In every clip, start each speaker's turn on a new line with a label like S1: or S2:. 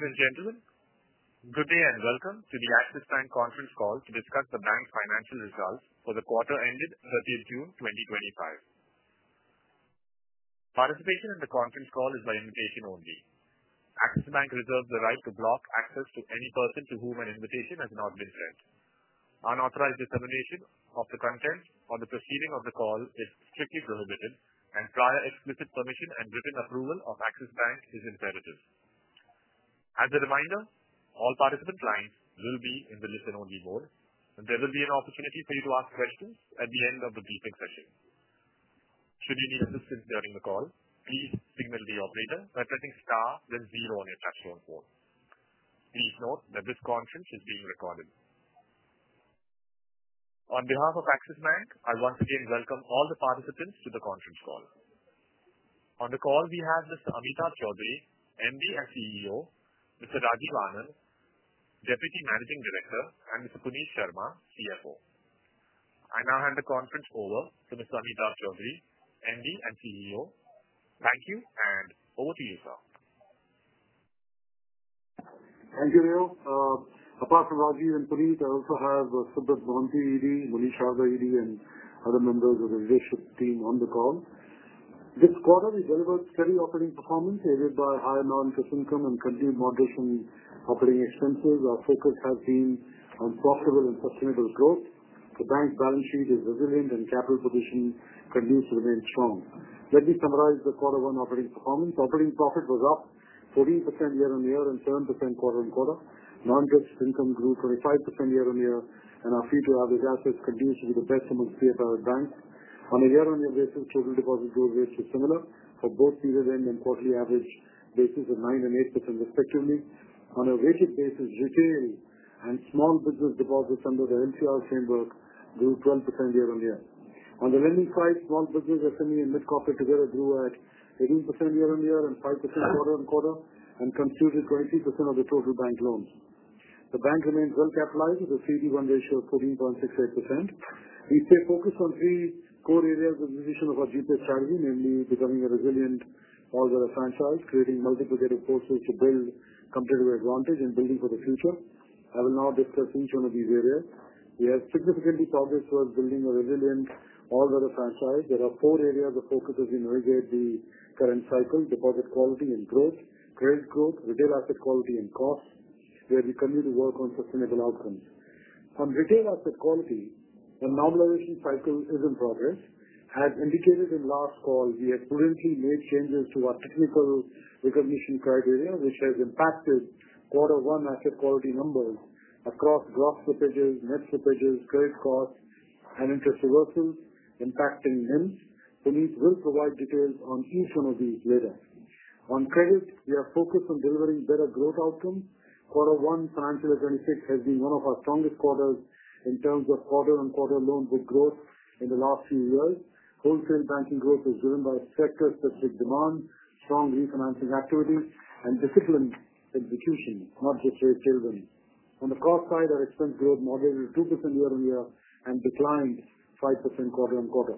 S1: Ladies and gentlemen, good day and welcome to the Axis Bank Conference Call, to discuss the bank's financial results for the quarter ended 30th June 2025. Participation in the conference call is by invitation only. Axis Bank, reserves the right to block access to any person to whom an invitation has not been sent. Unauthorized dissemination of the content or the proceeding of the call is strictly prohibited, and prior explicit permission and written approval of Axis Bank, is imperative. As a reminder, all participant lines will be in the listen-only mode, and there will be an opportunity for you to ask questions at the end of the briefing session. Should you need assistance during the call, please signal the operator by pressing star then zero on your touch phone. Please note that this conference is being recorded. On behalf of Axis Bank, I once again welcome all the participants to the conference call. On the call, we have Mr. Amitabh Chaudhry, MD and CEO, Mr. Rajiv Anand, Deputy Managing Director, and Mr. Puneet Sharma, CFO. I now hand the conference over to Mr. Amitabh Chaudhry, MD and CEO. Thank you, and over to you, sir.
S2: Thank you, Neil. Apart from Rajiv and Puneet, I also have Subrat Mohanty, ED, Munish Sharda, ED, and other members of the leadership team on the call. This quarter, we delivered steady operating performance aided by high non-cash income, and continued moderation of operating expenses. Our focus has been on profitable and sustainable growth. The bank's balance sheet is resilient, and capital position, continues to remain strong. Let me summarize the quarter-one operating performance. Operating profit was up 14%, year-on-year and 7%, quarter-on-quarter. Non-cash income grew 25%, year-on-year, and our fee-to-average assets continues to be the best amongst pre-authorized banks. On a year-on-year basis, total deposit growth rates were similar for both period-end and quarterly average basis of 9% and 8%, respectively. On a rated basis, retail and small business deposits, under the MCR, framework grew 12%, year-on-year. On the lending side, small business, SME, and mid-corporate, together grew at 18%, year-on-year and 5%, quarter-on-quarter, and constituted 23%, of the total bank loans. The bank remains well-capitalized with a CET1 ratio, of 14.68%. We stay focused on three core areas of the position of our GPS, strategy, namely becoming a resilient all-weather franchise, creating multiplicative forces to build competitive advantage, and building for the future. I will now discuss each one of these areas. We have significantly progressed towards building a resilient all-weather franchise. There are four areas of focus as we navigate the current cycle: deposit quality and growth, credit growth, retail asset quality, and cost, where we continue to work on sustainable outcomes. On retail asset quality, the normalization cycle is in progress. As indicated in last call, we have prudently made changes to our technical recognition criteria, which has impacted quarter-one, asset quality numbers across gross slippages, net slippages, credit costs, and interest reversals, impacting NIM. Puneet, will provide details on each one of these later. On credit, we are focused on delivering better growth outcomes. Quarter-one financial year 2026, has been one of our strongest quarters in terms of quarter-on-quarter loans, with growth in the last few years. Wholesale banking, growth was driven by sector-specific demand, strong refinancing activity, and disciplined execution, not just rate-driven. On the cost side, our expense growth, moderated 2%, year-on-year and declined 5%, quarter-on-quarter.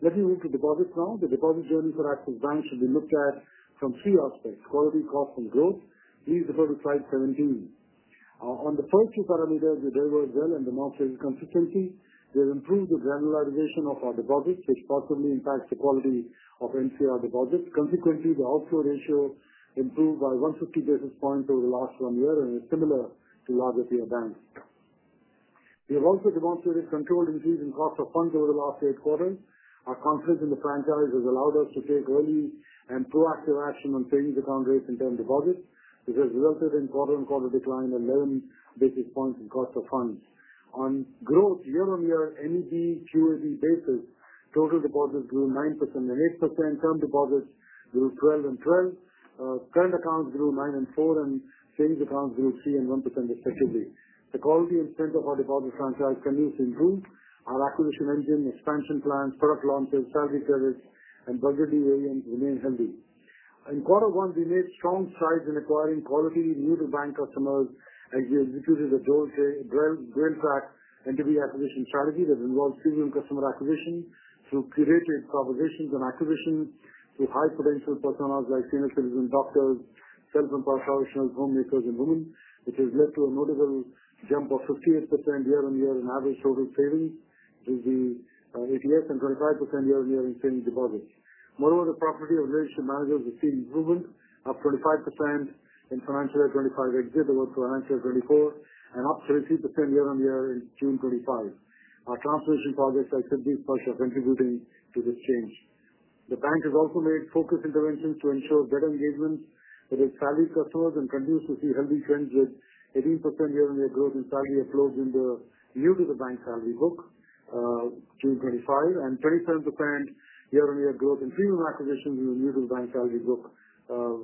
S2: Let me move to deposits now. The deposit journey for Axis Bank, should be looked at from three aspects: quality, cost, and growth. Please refer to slide 17. On the first two parameters, we delivered well and demonstrated consistency. We have improved the granularization, of our deposits, which positively impacts the quality of MCR deposits. Consequently, the outflow ratio, improved by 150 basis points, over the last one year and is similar to larger-tier banks. We have also demonstrated controlled increase in cost of funds over the last eight quarters. Our confidence in the franchise has allowed us to take early and proactive action on savings account rates and term deposits, which has resulted in quarter-on-quarter, decline and 11 basis points, in cost of funds. On growth, year-on-year, on a CASA, basis, total deposits grew 9% and 8%. Term deposits grew 12% and 12%. Current accounts grew 9% and 4%, and savings accounts grew 3% and 1% respectively. The quality and strength of our deposit franchise, continues to improve. Our acquisition engine, expansion plans, product launches, salary credits, and budgetary variance, remain healthy. In quarter one, we made strong strides in acquiring quality new-to-bank, customers as we executed a differentiated customer acquisition strategy that involved premium customer acquisition, through curated propositions and targeting high-potential personas like senior citizens, doctors, self-employed professionals, homemakers, and women, which has led to a notable jump of 58%, year-on-year in average total savings, and 58% and 25%, year-on-year in savings deposits. Moreover, the productivity of relationship managers, has seen improvement, up 25%, in financial year 2025, exit over financial year 2024, and up 33%, year-on-year in June 2025. Our transformation projects like CASA's, push are contributing to this change. The bank has also made focused interventions to ensure better engagements with its salary customers and continues to see healthy trends with 18%, year-on-year growth in salary uploads in the new-to-the-bank salary book June 2025, and 27%, year-on-year growth in premium acquisitions in the new-to-the-bank salary book,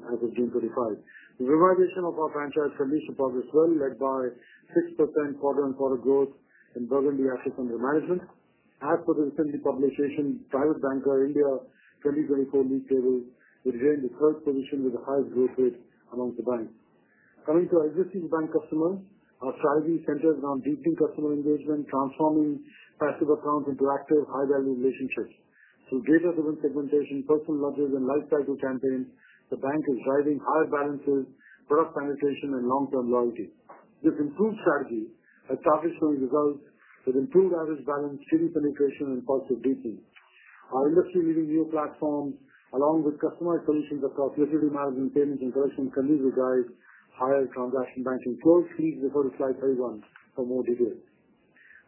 S2: as of June 2025. The realization of our franchise continues to progress well, led by 6%, quarter-on-quarter growth in Burgundy, assets under management. As per the recently published Asian Private Banker India 2024 League Table, we retained the third position, with the highest growth rate amongst the banks. Coming to our existing bank customers, our strategy centers on deepening customer engagement, transforming passive accounts into active, high-value relationships. Through data-driven segmentation, personal ledgers, and life cycle campaigns, the bank, is driving higher balances, product penetration, and long-term loyalty. This improved strategy has target-scoring results with improved average balance, steady penetration, and positive deepening. Our industry-leading new platforms, along with customized solutions across utility management, payments, and collections, continue to drive higher transaction banking. Also please refer to slide 31, for more details.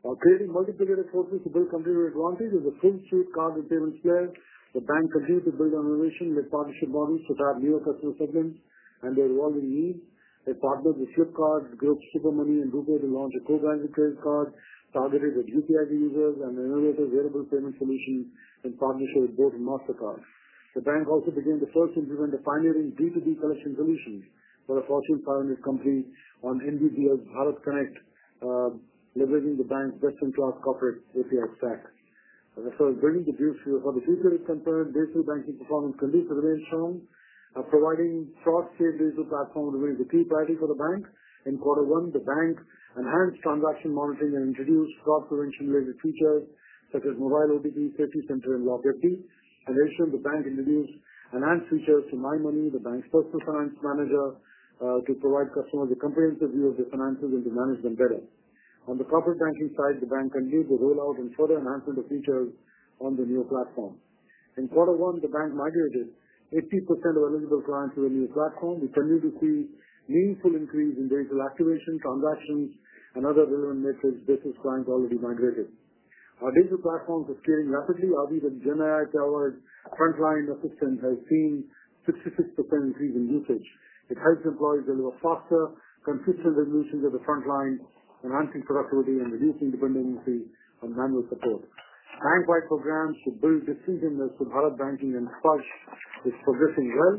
S2: While creating multiplicative forces to build competitive advantage, as a full-suite card and payments player, the bank, continues to build on innovation with partnership models to tap newer customer segments, and their evolving needs. They partnered with Flipkart, SuperMoney, and Rupee, to launch a co-branded credit card targeted at UPI users, and innovative variable payment solutions in partnership with Mastercard. The bank also became the first to implement a pioneering B2B collection solution, for a Fortune 500 company, on NPCI's, Bharat Connect. Leveraging the bank's best-in-class corporate API, stack. As I said, building the bank for the future is imperative. Retail banking performance continues to remain strong. Providing cross-tier digital platform remains a key priority for the bank. In quarter one, the bank enhanced transaction monitoring and introduced fraud prevention-related features such as mobile OTP, safety center, and log entry, and additionally, the bank introduced enhanced features to My Money, the bank's personal finance manager, to provide customers a comprehensive view of their finances and to manage them better. On the corporate banking side, the bank continued to roll out and further enhancement of features on the new platform. In quarter one, the bank migrated 80%, of eligible clients to the new platform. We continue to see meaningful increase in digital activation, transactions, and other relevant metrics versus clients already migrated. Our digital platforms are scaling rapidly. Our GenAI-powered, frontline assistant has seen a 66%, increase in usage. It helps employees deliver faster, consistent resolutions at the frontline, enhancing productivity and reducing dependency on manual support. Bank-wide programs, such as Bharat Banking and SPARSH, are progressing well.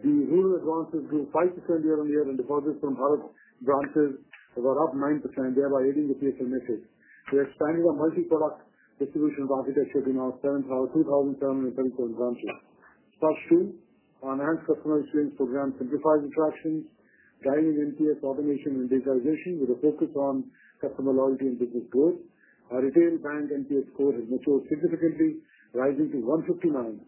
S2: The rural advances grew 5%, year-on-year, and deposits from Bharat branches, were up 9%, thereby aiding the PSM metrics. We expanded our multi-product distribution architecture to now 7,277 branches. SPARSH 2, our enhanced customer experience program simplifies interactions, guiding NPS automation, and digitization with a focus on customer loyalty and business growth. Our retail bank NPS score, has matured significantly, rising to 159.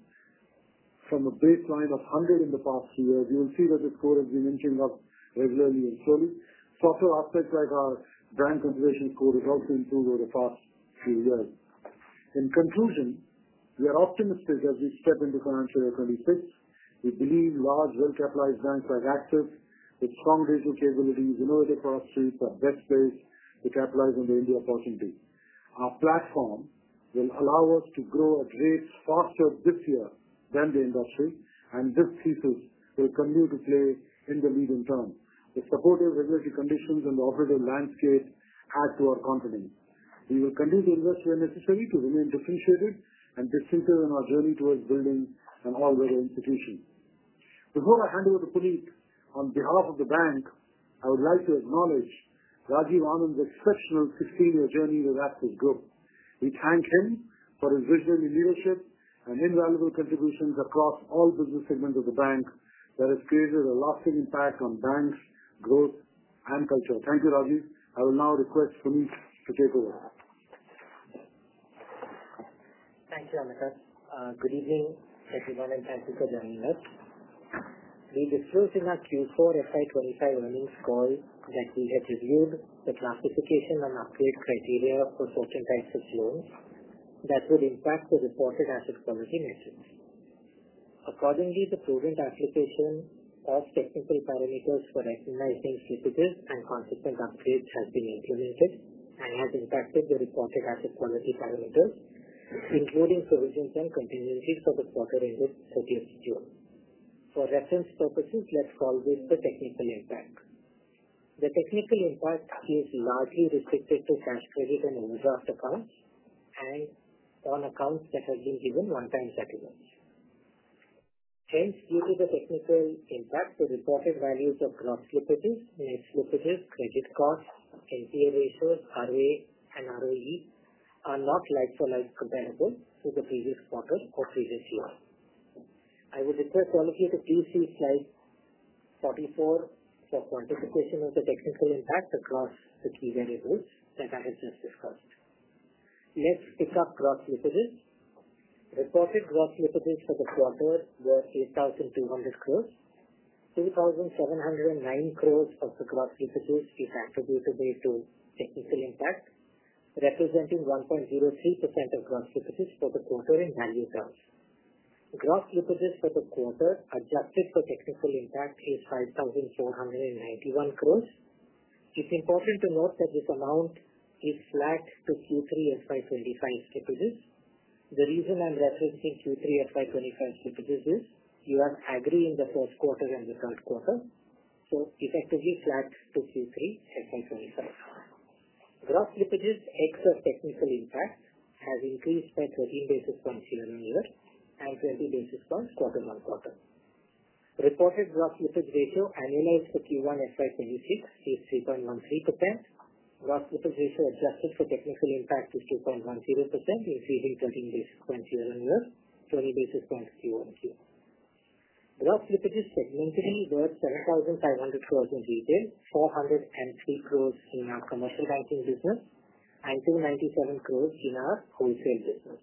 S2: From a baseline of 100, in the past few years. You will see that the score has been inching up regularly and slowly. Software aspects like our brand consideration score have also improved over the past few years. In conclusion, we are optimistic as we step into financial year 2026. We believe large, well-capitalized banks like Axis, with strong digital capabilities, innovative product suites, are best placed to capitalize on the India opportunity. Our platform will allow us to grow at rates faster this year than the industry, and this thesis will continue to play in the longer term. The supportive regulatory conditions and the competitive landscape add to our confidence. We will continue to invest where necessary to remain differentiated and distinctive in our journey towards building an all-weather institution. Before I hand over to Puneet, on behalf of the bank, I would like to acknowledge Rajiv Anand's, exceptional 16-year journey, with Axis Group. We thank him for his visionary leadership and invaluable contributions, across all business segments of the bank that have created a lasting impact on the bank's growth and culture. Thank you, Rajiv. I will now request Puneet, to take over.
S3: Thank you, Amitabh. Good evening, everyone, and thank you for joining us. We disclosed in our Q4, FY25 earnings call, that we had reviewed the classification and upgrade criteria for certain types of loans that would impact the reported asset quality metrics. Accordingly, the prudent application of technical parameters for recognizing slippages and consequent upgrades has been implemented and has impacted the reported asset quality parameters, including provisions and contingencies, for the quarter-ended fiscal year. For reference purposes, let's call this the technical impact. The technical impact is largely restricted to cash credit and overdraft accounts and on accounts that have been given one-time settlements. Hence, due to the technical impact, the reported values of gross slippages, net slippages, credit costs, NPA ratios, ROA, and ROE, are not like-for-like comparable to the previous quarter or previous year. I would request all of you to please see slide 44, for quantification of the technical impact, across the key variables that I have just discussed. Let's pick up gross slippages. Reported gross slippages, for the quarter were 8,200 crores. 2,709 crores, of the gross slippages is attributable to technical impact, representing 1.03%, of gross slippages, for the quarter in value terms. Gross slippages, for the quarter adjusted for technical impact, is 5,491 crores. It's important to note that this amount is flat to Q3, FY25 slippages. The reason I'm referencing Q3, FY25 slippages is you have aggregated the first quarter and the third quarter, so effectively flat to Q3, FY25. Gross slippages, except technical impact, have increased by 13 basis points, year-on-year and 20 basis points, quarter-on-quarter. Reported gross slippage ratio, annualized for Q1, FY26 is 3.13%. Gross slippage ratio, adjusted for technical impact is 2.10%, increasing 13 basis points, year-on-year, 20 basis points, QoQ. Gross slippages, segmentally were 7,500 crores, in retail, 403 crores, in our commercial banking business, and 297 crores, in our wholesale business.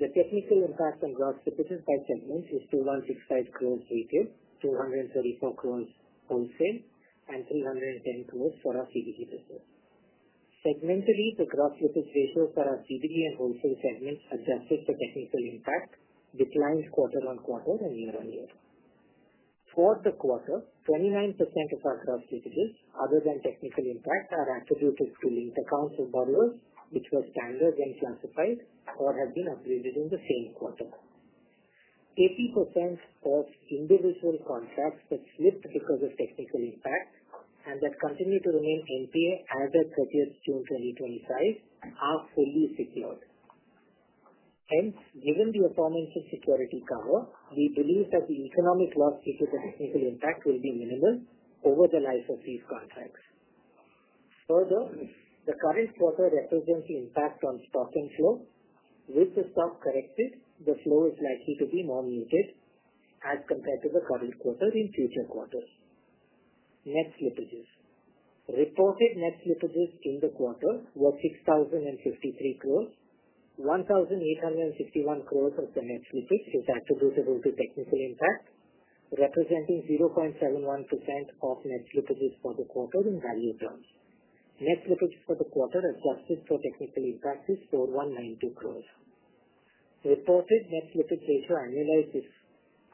S3: The technical impact on gross slippages, by segment is 265 crores, retail, 234 crores, wholesale, and 310 crores, for our CBD business. Segmentally, the gross slippage ratios, for our CBD and wholesale segments, adjusted for technical impact, declined quarter-on-quarter and year-on-year. For the quarter, 29%, of our gross slippages, other than technical impact, are attributed to linked accounts of borrowers, which were standard and classified or have been upgraded in the same quarter. 80%, of individual contracts that slipped because of technical impact and that continue to remain NPA, as of 30th June 2025 are fully secured. Hence, given the aforementioned security cover, we believe that the economic loss due to the technical impact will be minimal over the life of these contracts. Further, the current quarter represents the impact on stock inflow. With the stock corrected, the flow is likely to be more muted as compared to the current quarter in future quarters. Net slippages. Reported net slippages, in the quarter were 6,053 crores rupees. 1,861 crores, of the net slippage is attributable to technical impact, representing 0.71%, of net slippages, for the quarter in value terms. Net slippage, for the quarter adjusted for technical impact, is 4,192 crores. Reported net slippage ratio, annualized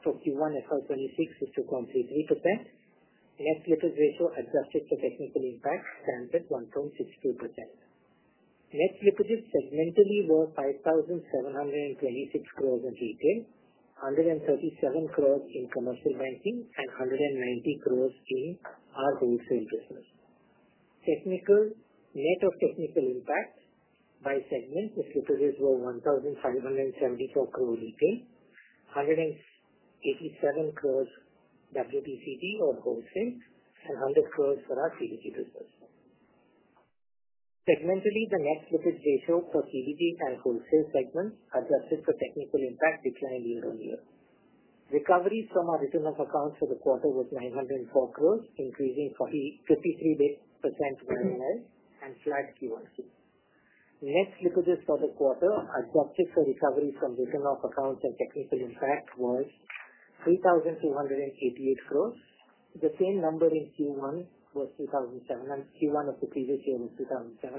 S3: for Q1, FY26, is 2.33%. Net slippage ratio, adjusted for technical impact, stands at 1.62%. Net slippages, segmentally were 5,726 crores, in retail, 137 crores, in commercial banking, and 190 crores, in our wholesale business. Net of technical impact, by segment, the slippages, were 1,574 crores, retail, 187 crores WBCD or wholesale, and 100 crores, for our CBD business. Segmentally, the net slippage ratio, for CBD and wholesale segments, adjusted for technical impact declined year-on-year. Recovery from our return of accounts for the quarter was 904 crores, increasing 53%, year-on-year and flat QoQ. Net slippages for the quarter adjusted for recovery from return of accounts and technical impact, was 3,288 crores. The same number in Q1, was 2,700. Q1, of the previous year was 2,700,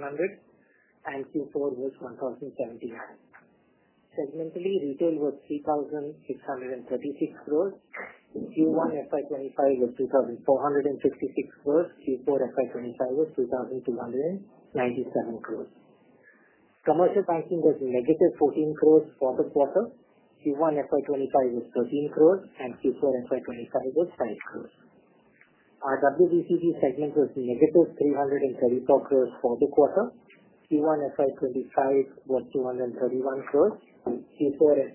S3: and Q4, was 1,079. Segmentally, retail was 3,636 crores. Q1, FY25 was 2,456 crores. Q4, FY25 was 2,297 crores. Commercial banking, was negative 14 crores, for the quarter. Q1, FY25 was 13 crores, and Q4, FY25 was 5 crores. Our WBCD segment, was negative 334 crores, for the quarter. Q1, FY25 was 231 crores. Q4,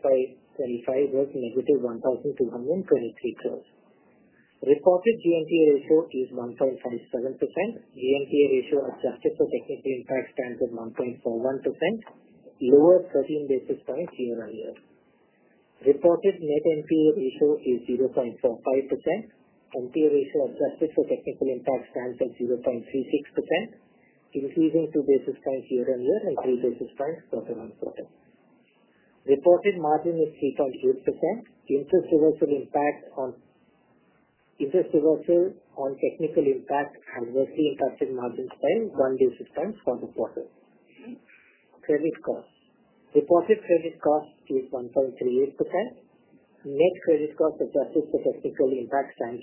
S3: FY25 was negative 1,223 crores. Reported GNPA ratio, is 1.57%. GNPA ratio, adjusted for technical impact stands at 1.41%, lower 13 basis points, year-on-year. Reported net NPA ratio, is 0.45%. NPA ratio, adjusted for technical impact stands at 0.36%, increasing 2 basis points, year-on-year and 3 basis points, quarter-on-quarter. Reported margin is 3.8%. Interest reversal on technical impact has roughly impacted margin slightly 1 basis point, for the quarter. Credit cost. Reported credit cost, is 1.38%. Net credit cost adjusted for technical impact stands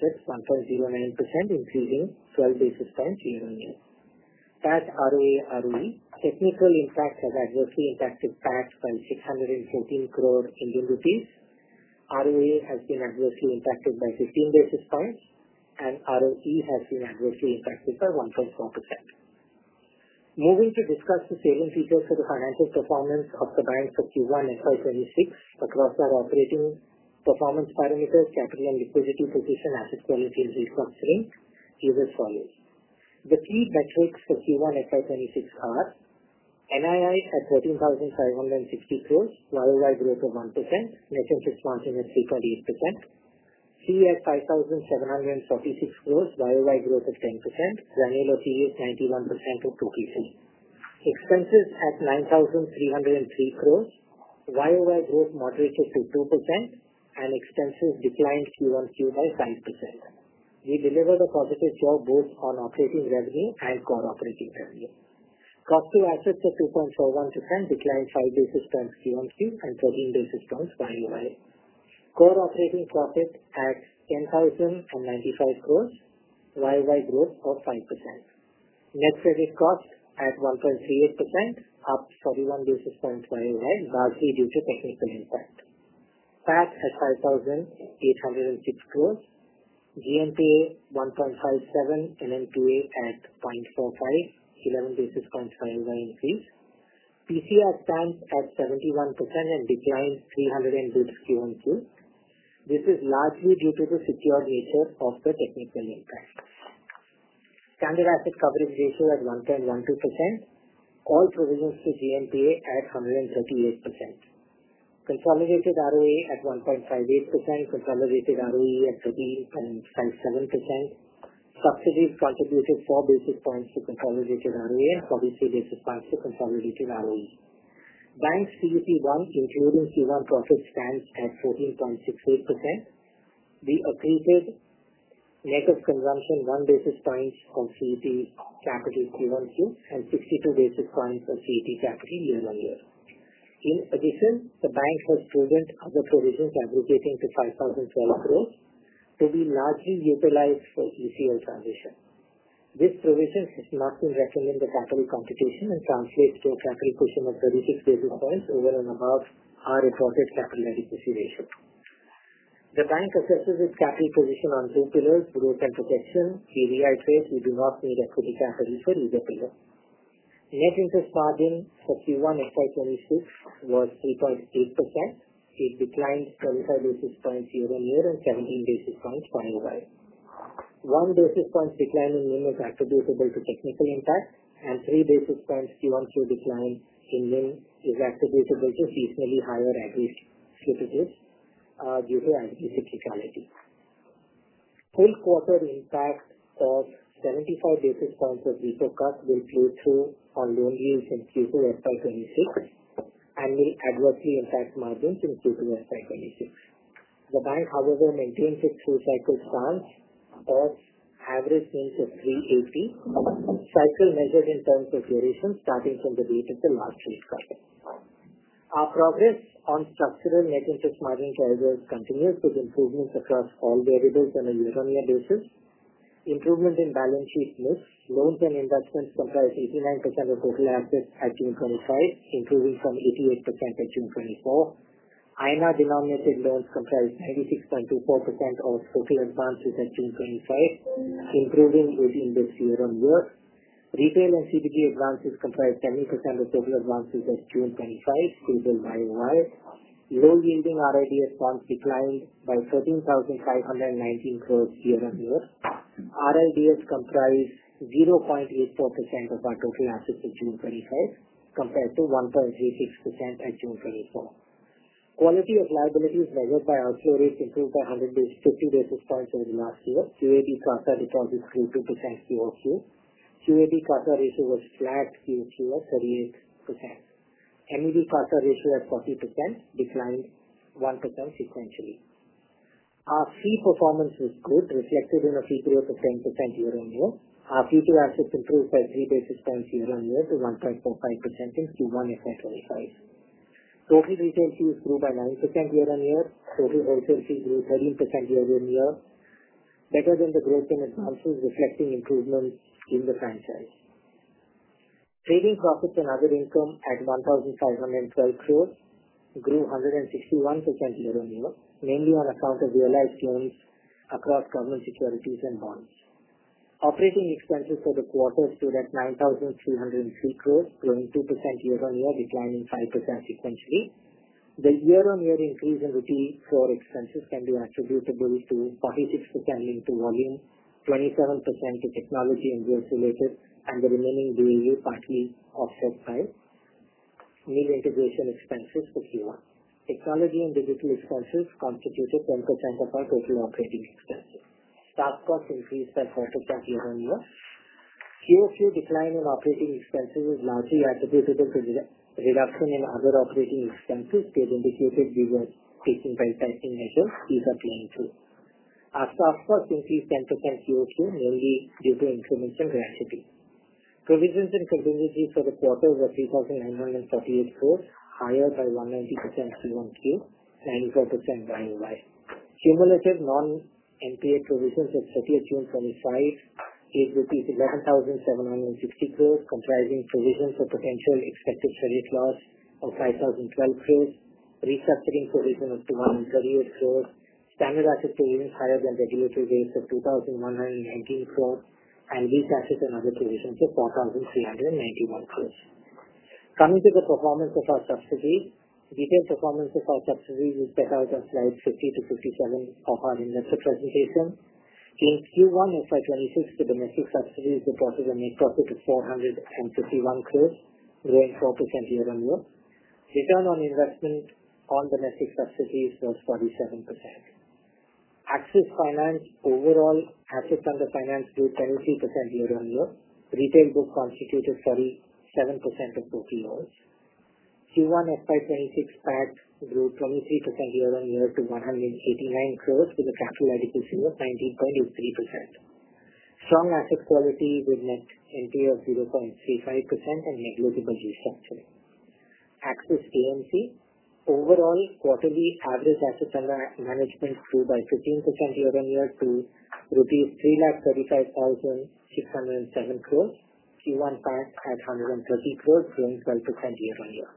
S3: at 1.09%, increasing 12 basis points, year-on-year. PAT, ROA, ROE. Technical impact has adversely impacted PAT, by 614 crore Indian rupees. ROA, has been adversely impacted by 15 basis points, and ROE, has been adversely impacted by 1.4%. Moving to discuss the salient features for the financial performance of the bank for Q1, FY26, across our operating performance parameters, capital and liquidity position, asset quality, and ROE, is as follows. The key metrics for Q1, FY26 are. NII, at 13,560 crores, YOY growth of 1%, net interest margin, at 3.8%. CE at 5,746 crores, YOY, growth of 10%, granular CE, at 91% of 2%. Expenses, at 9,303 crores, YOY growth, moderated to 2%, and expenses declined QoQ, by 5%. We delivered a positive show both on operating revenue and core operating revenue. Cost to assets at 2.41%, declined 5 basis points, QoQ and 13 basis points, YOY. Core operating profit, at 10,095 crores, YOY, growth of 5%. Net credit cost, at 1.38%, up 41 basis points, YOY, largely due to technical impact. PAT, at INR 5,806 crores, GNPA, 1.57, and NPA, at 0.45, 11 basis points, YOY increase. PCR, stands at 71%, and declined 300 basis points, QoQ. This is largely due to the secured nature of the technical impact. Standard asset coverage ratio, at 1.12%. All provisions to GNPA, at 138%. Consolidated ROA, at 1.58%, consolidated ROE, at 13.57%. Subsidiaries contributed 4 basis points, to consolidated ROA, and 43 basis points, to consolidated ROE. Bank's CET1, including Q1 profit, stands at 14.68%. We accreted. Net consumption, 1 basis point, of CET1 capital, QoQ and 62 basis points, of CET1 capital, year-on-year. In addition, the bank has prudent other provisions aggregating to 5,012 crore, to be largely utilized for ECL, transition. This provision has not been reversed in capital computation and translates to a capital position of 36 basis points, over and above our reported capital adequacy ratio. The bank assesses its capital position on two pillars: growth and protection. We reiterate we do not need equity capital for either pillar. Net interest margin, for Q1, FY26, was 3.8%. It declined 25 basis points, year-on-year and 17 basis points, YoY. One basis point decline in NIM, is attributable to technical impact, and 3 basis points, QoQ decline in NIM, is attributable to seasonally higher aggregate slippages, due to aggregate cyclicality. Full quarter impact, of 75 basis points, of repo cut will play through on loan yields in Q2, FY26, and will adversely impact margins in Q2, FY26. The bank, however, maintains its two-cycle stance of average gains, of 3.80. Cycle measured, in terms of duration starting from the date of the last rate cut. Our progress on structural net interest margin, carriers continues with improvements across all variables on a year-on-year basis. Improvement in balance sheet NIIs. Loans and investments comprise 89%, of total assets at June 25, improving from 88%, at June 24. INR-denominated loans comprise 96.24%, of total advances at June 25, improving within this year-on-year. Retail and CBD, advances comprise 70%, of total advances at June 25, stable YoY. Low-yielding RIDF, bonds declined by INR 13,519 crore, year-on-year. RIDF, comprised 0.84%, of our total assets at June 25, compared to 1.36%, at June 24. Quality of liabilities measured by outflow rates improved by 50 basis points, over the last year. CASA deposits, grew 2%, QoQ. CASA ratio, was flat QoQ at 38%. MSB-CASA ratio, at 40%, declined 1%, sequentially. Our fee performance was good, reflected in a fee growth of 10%, year-on-year. Our fee-to-assets improved by 3 basis points, year-on-year to 1.45%, in Q1, FY25. Total retail fees grew by 9%, year-on-year. Total wholesale fees grew 13%, year-on-year, better than the growth in advances, reflecting improvements in the franchise. Trading profits and other income, at 1,512 crore, grew 161%, year-on-year, mainly on account of realized gains across government securities and bonds. Operating expenses, for the quarter stood at 9,303 crore, growing 2%, year-on-year, declining 5%, sequentially. The year-on-year increase in routine floor expenses, can be attributable to 46%, linked to volume, 27%, to technology and growth-related, and the remaining BAU, partly offset by. Merger integration expenses, for Q1. Technology and digital expenses, constituted 10%, of our total operating expenses. Staff costs, increased by 4%, year-on-year. QoQ, decline in operating expenses, is largely attributable to reduction in other operating expenses, as indicated we were taking very tightening measures. These are playing through. Our staff costs, increased 10%, QoQ, mainly due to increments in gratuity. Provisions and contingencies for the quarter were 3,948 crores, higher by 190%, QoQ, 94% YoY. Cumulative non-NPA provisions, at 30th June 2025, is rupees 11,760 crores, comprising provisions for potential expected credit loss of 5,012 crores, restructuring provision of 238 crores, standard asset provisions higher than regulatory rates of 2,119 crores, and weak assets and other provisions of 4,391 crores. Coming to the performance of our subsidiaries, detailed performance of our subsidiaries is better outlined in slides 50 to 57, of our investor presentation. In Q1, FY26, the domestic subsidiaries reported a net profit of 451 crores, growing 4%, year-on-year. Return on investment on domestic subsidiaries was 47%. Axis Finance, overall assets under finance grew 23%, year-on-year. Retail book constituted 47%, of total loans. Q1, FY26, PAT, grew 23%, year-on-year to 189 crores, with a capital adequacy of 19.83%. Strong asset quality, with net NPA, of 0.35%, and negligible restructuring. Axis, AMC, overall quarterly average asset, under management grew by 15%, year-on-year to rupees 335,607 crores. Q1, PAT, at 130 crores, growing 12%, year-on-year.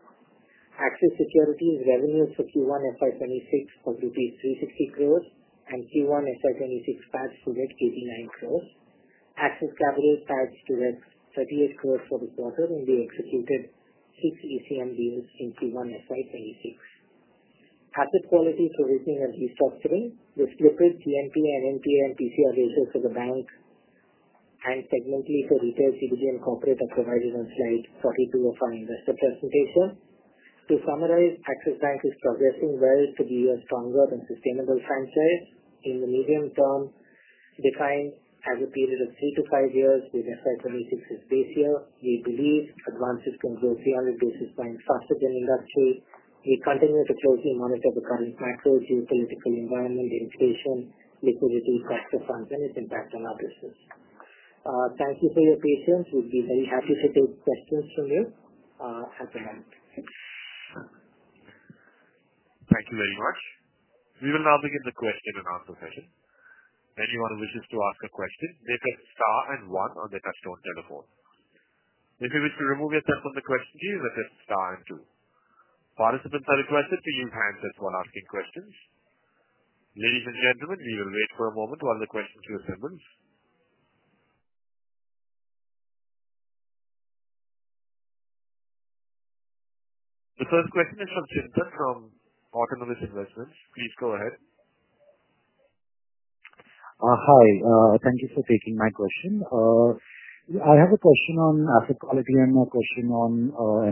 S3: Axis Securities, revenues for Q1, FY26, of INR 360 crores, and Q1, FY26, PAT, stood at 89 crores. Axis Capital, PAT, stood at 38 crores, for the quarter when we executed six ECM, deals in Q1, FY26. Asset quality, provisioning and restructuring, the slippages, GNPA and NPA, and PCR ratios, for the bank. And segmentally for retail, CBD, and corporate are provided on slide 42, of our investor presentation. To summarize, Axis Bank, is progressing well to be a stronger and sustainable franchise in the medium term, defined as a period of three to five years with FY26, as base year. We believe advances can grow 300 basis points, faster than industry. We continue to closely monitor the current macro, geopolitical environment, inflation, liquidity, tax refunds, and its impact on our business. Thank you for your patience. We'd be very happy to take questions from you. Have a night.
S1: Thank you very much. We will now begin the question and answer session. Anyone who wishes to ask a question may press star and one on the touchtone telephone. If you wish to remove yourself from the question queue, press star and two. Participants are requested to use handsets while asking questions. Ladies and gentlemen, we will wait for a moment while the questions are assembled. The first question is from Chintan, from Autonomous Investments. Please go ahead.
S4: Hi. Thank you for taking my question. I have a question on asset quality and a question on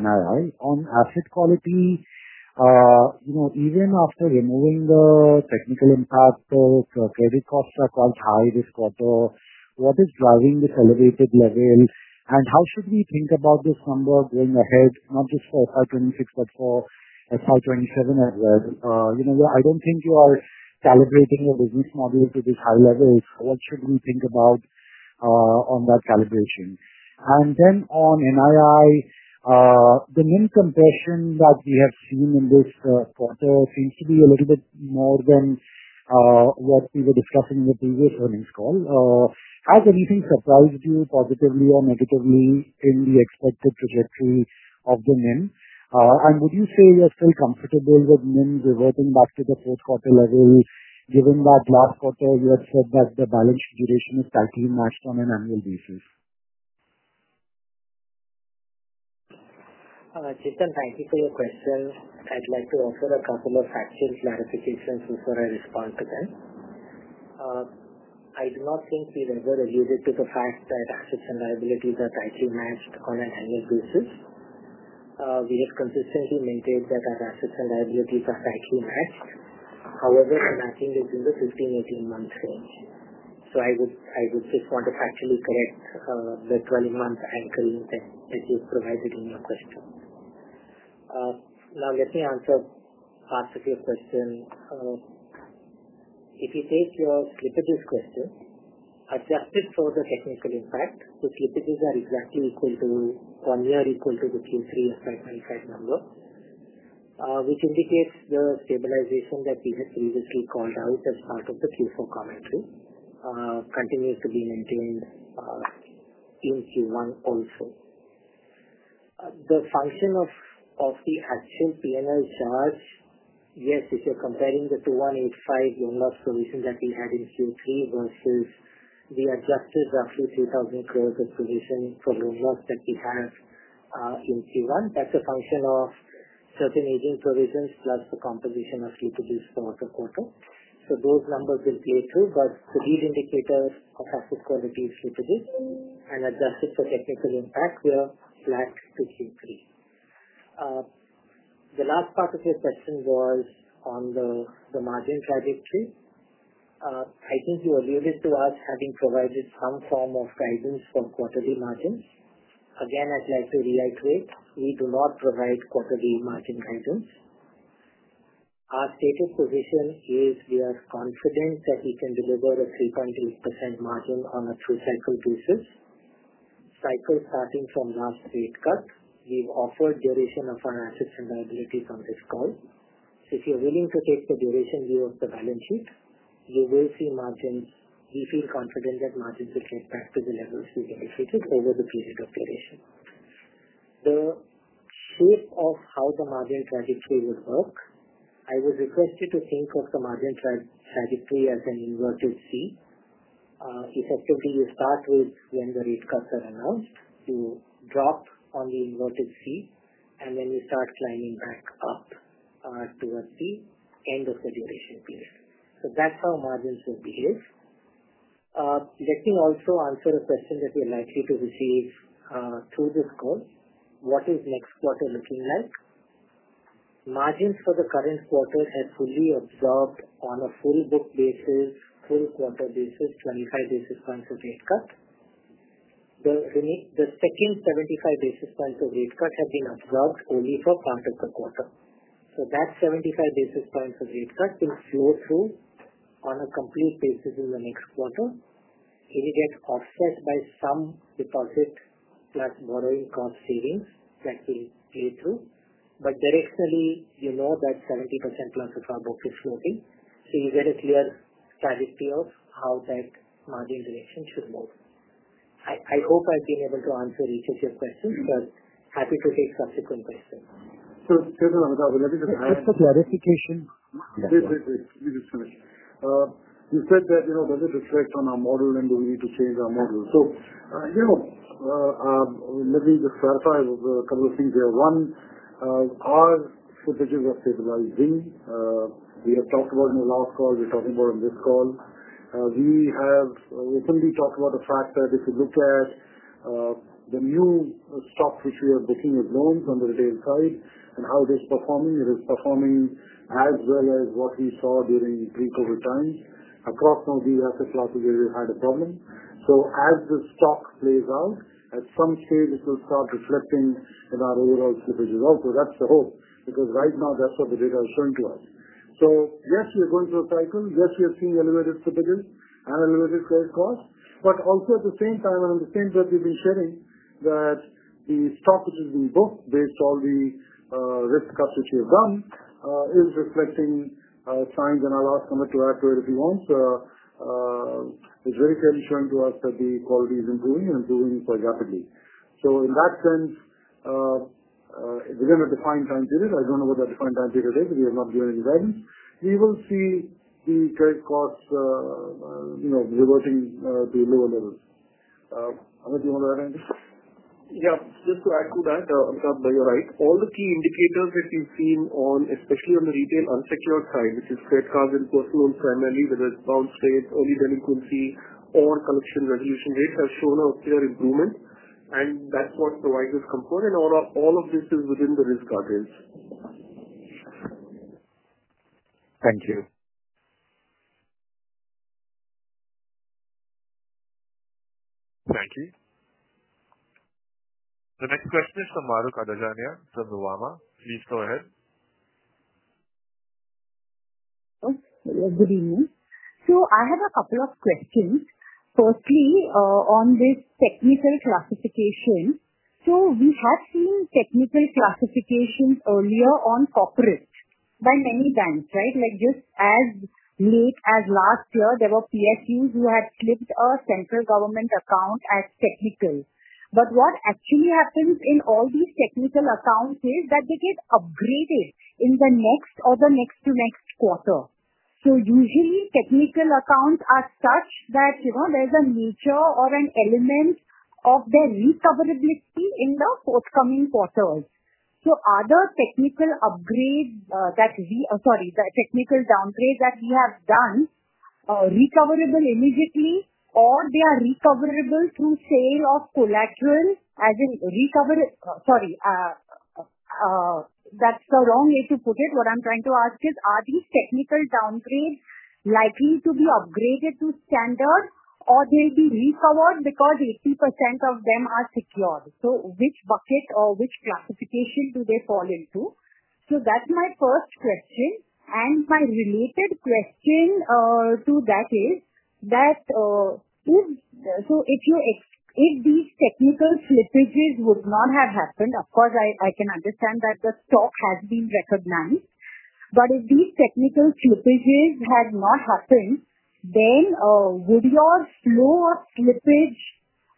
S4: NII. On asset quality. Even after removing the technical impact, credit costs, are quite high this quarter. What is driving this elevated level? How should we think about this number going ahead, not just for FY26, but for FY27, as well? I don't think you are calibrating your business model to this high level. What should we think about on that calibration? And then on NII. The NIM, compression that we have seen in this quarter seems to be a little bit more than what we were discussing in the previous earnings call. Has anything surprised you positively or negatively in the expected trajectory of the NIM? And would you say you're still comfortable with NIM, reverting back to the fourth quarter level, given that last quarter you had said that the balance sheet duration is tightly matched on an annual basis?
S3: Chintan, thank you for your question. I'd like to offer a couple of factual clarifications before I respond to them. I do not think we've ever alluded to the fact that assets and liabilities are tightly matched on an annual basis. We have consistently maintained that our assets and liabilities are tightly matched. However, the matching is in the 15-18-month range. So I would just want to factually correct the 12-month anchoring that you've provided in your question. Now, let me answer part of your question. If you take your slippages question, adjusted for the technical impact, the slippages, are exactly equal to one year equal to the Q3, FY25, number. Which indicates the stabilization that we had previously called out as part of the Q4, commentary continues to be maintained in Q1, also. The function of the actual P&L, charge, yes, if you're comparing the 2,185 crore, loan loss provision that we had in Q3, versus the adjusted roughly 3,000 crores, of provision for loan loss that we have in Q1, that's a function of certain aging provisions plus the composition of slippages for the quarter. So those numbers will play through, but the lead indicator of asset quality slippages, and adjusted for technical impact were flat to Q3. The last part of your question was on the margin trajectory. I think you alluded to us having provided some form of guidance for quarterly margins. Again, I'd like to reiterate, we do not provide quarterly margin, guidance. Our stated position is we are confident that we can deliver a 3.8%, margin on a two-cycle basis. Cycle, starting from last rate cut. We've offered duration of our assets and liabilities on this call. So if you're willing to take the duration view of the balance sheet, you will see margins. We feel confident that margins will get back to the levels we've indicated over the period of duration. The shape of how the margin trajectory would work, I was requested to think of the margin trajectory as an inverted C. Effectively, you start with when the rate cuts are announced, you drop on the inverted C, and then you start climbing back up towards the end of the duration period. So that's how margins will behave. Let me also answer a question that you're likely to receive through this call. What is next quarter looking like? Margins, for the current quarter have fully absorbed on a full book basis, full quarter basis, 25 basis points, of rate cut. The second 75 basis points, of rate cut have been absorbed only for part of the quarter. So that 75 basis points, of rate cut will flow through on a complete basis in the next quarter. It will get offset by some deposit plus borrowing cost savings that will play through. But directionally, you know that 70% plus of our book is floating. So you get a clear clarity of how that margin direction should move. I hope I've been able to answer each of your questions, but happy to take subsequent questions. So Chintan,
S2: let me just add. Just a clarification. You just finished. You said that there's a distress on our model and we need to change our model. So. Let me just clarify a couple of things here. One. Our slippages, are stabilizing. We have talked about it in the last call. We're talking about it on this call. We have openly talked about the fact that if you look at the new stocks which we are booking as loans on the retail side and how it is performing, it is performing as well as what we saw during pre-COVID times. Across some of the asset classes, we had a problem. So as the stock plays out, at some stage, it will start reflecting in our overall slippages also. That's the hope because right now, that's what the data is showing to us. So yes, we are going through a cycle. Yes, we are seeing elevated slippages and elevated credit costs. But also at the same time, and on the same note, we've been sharing that the stock which is being booked based on the risk cuts which we have done is reflecting signs, and I'll ask Hamid, to add to it if he wants. It's very clearly showing to us that the quality is improving and improving quite rapidly. So in that sense. Within a defined time period, I don't know what that defined time period is because we have not given any guidance, we will see the credit costs, reverting to lower levels. Hamid, do you want to add anything?
S3: Yeah. Just to add to that, Hamid, you're right. All the key indicators that we've seen on, especially on the retail unsecured side, which is credit cards and personal loans primarily, whether it's bounce rates, early delinquency, or collection resolution rates have shown a clear improvement. And that's what provides us comfort. And all of this is within the risk guardrails.
S4: Thank you.
S1: Thank you. The next question is from Murug Adaniya, from Kotak. Please go ahead.
S5: Good evening. So I have a couple of questions. Firstly, on this technical classification. So we have seen technical classifications earlier on corporate by many banks, right? Just as late as last year, there were PSUs, who had slipped a central government account as technical. But what actually happens in all these technical accounts is that they get upgraded in the next or the next to next quarter. So usually, technical accounts are such that there's a nature or an element of their recoverability in the forthcoming quarters. So are the technical upgrades that we—sorry, the technical downgrades that we have done recoverable immediately, or they are recoverable through sale of collateral as in recover—sorry. That's the wrong way to put it. What I'm trying to ask is, are these technical downgrades likely to be upgraded to standard, or they'll be recovered because 80%, of them are secured? So which bucket or which classification do they fall into? So that's my first question. And my related question to that is that if these technical slippages, would not have happened—of course, I can understand that the stock has been recognized—but if these technical slippages, had not happened, then would your flow of slippage,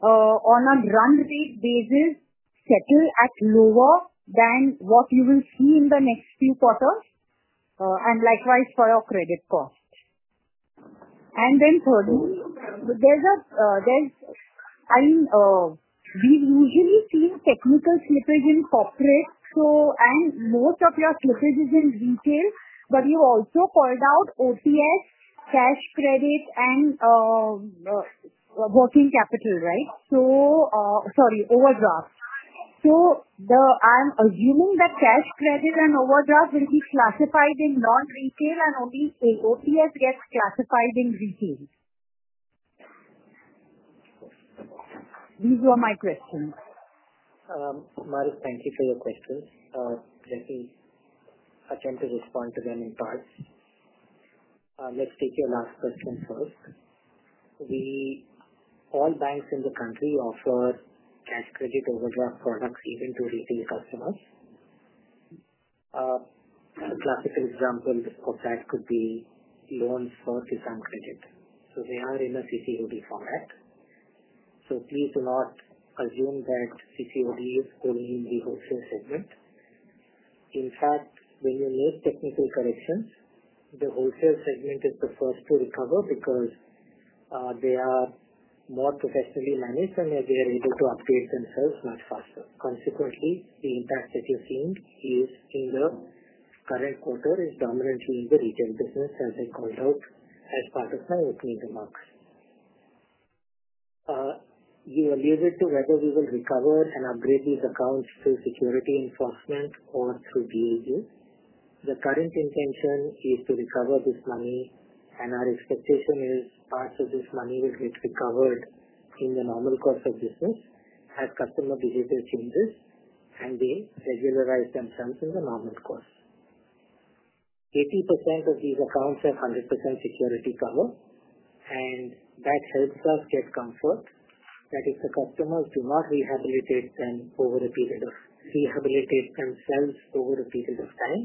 S5: on a run rate basis settle at lower than what you will see in the next few quarters? And likewise for your credit cost. And then thirdly, we've usually seen technical slippage in corporate, and most of your slippage is in retail, but you also called out OTS, cash credit, and working capital, right? Sorry, overdraft. So I'm assuming that cash credit and overdraft will be classified in non-retail, and only OTS, gets classified in retail. These were my questions.
S3: Marik, thank you for your questions. Let me attempt to respond to them in parts. Let's take your last question first. All banks in the country offer cash credit overdraft products even to retail customers. A classic example of that could be loans for discount credit. So they are in a CCoD format. So please do not assume that CCoD, is only in the wholesale segment. In fact, when you make technical corrections, the wholesale segment is the first to recover because they are more professionally managed and they are able to update themselves much faster. Consequently, the impact that you're seeing is in the current quarter is dominantly in the retail business, as I called out as part of my opening remarks. You alluded to whether we will recover and upgrade these accounts through security enforcement or through DAU. The current intention is to recover this money, and our expectation is parts of this money will get recovered in the normal course of business as customer behavior changes and they regularize themselves in the normal course. 80% of these accounts have 100% security cover, and that helps us get comfort that if the customers do not rehabilitate them over a period of—rehabilitate themselves over a period of time,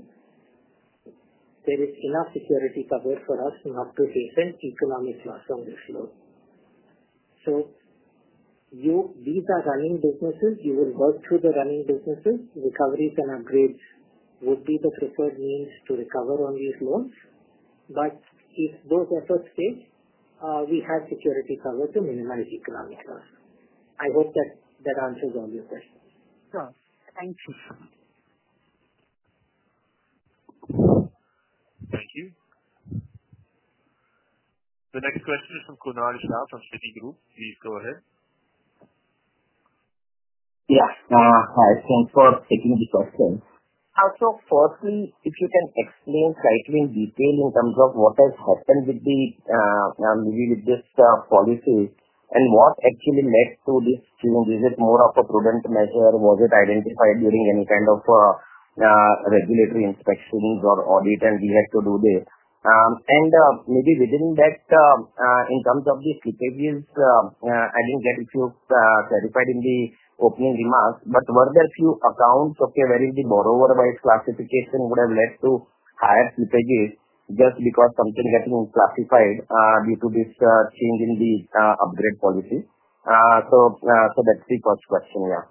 S3: there is enough security cover for us not to face an economic loss on this loan. So these are running businesses. You will work through the running businesses. Recoveries and upgrades would be the preferred means to recover on these loans. But if those efforts fail, we have security cover to minimize economic loss. I hope that answers all your questions.
S5: Sure. Thank you.
S1: Thank you. The next question is from Kunal Rao from Citi. Please go ahead. Yeah. Hi.
S5: Thanks for taking the question. Also, firstly, if you can explain slightly in detail in terms of what has happened with this policy and what actually led to this change? Is it more of a prudent measure? Was it identified during any kind of regulatory inspections or audit and we had to do this? And maybe within that, in terms of the slippages, I didn't get a few clarified in the opening remarks, but were there a few accounts wherein the borrower-wise classification, would have led to higher slippages, just because something getting classified due to this change in the upgrade policy? So that's the first question, yeah.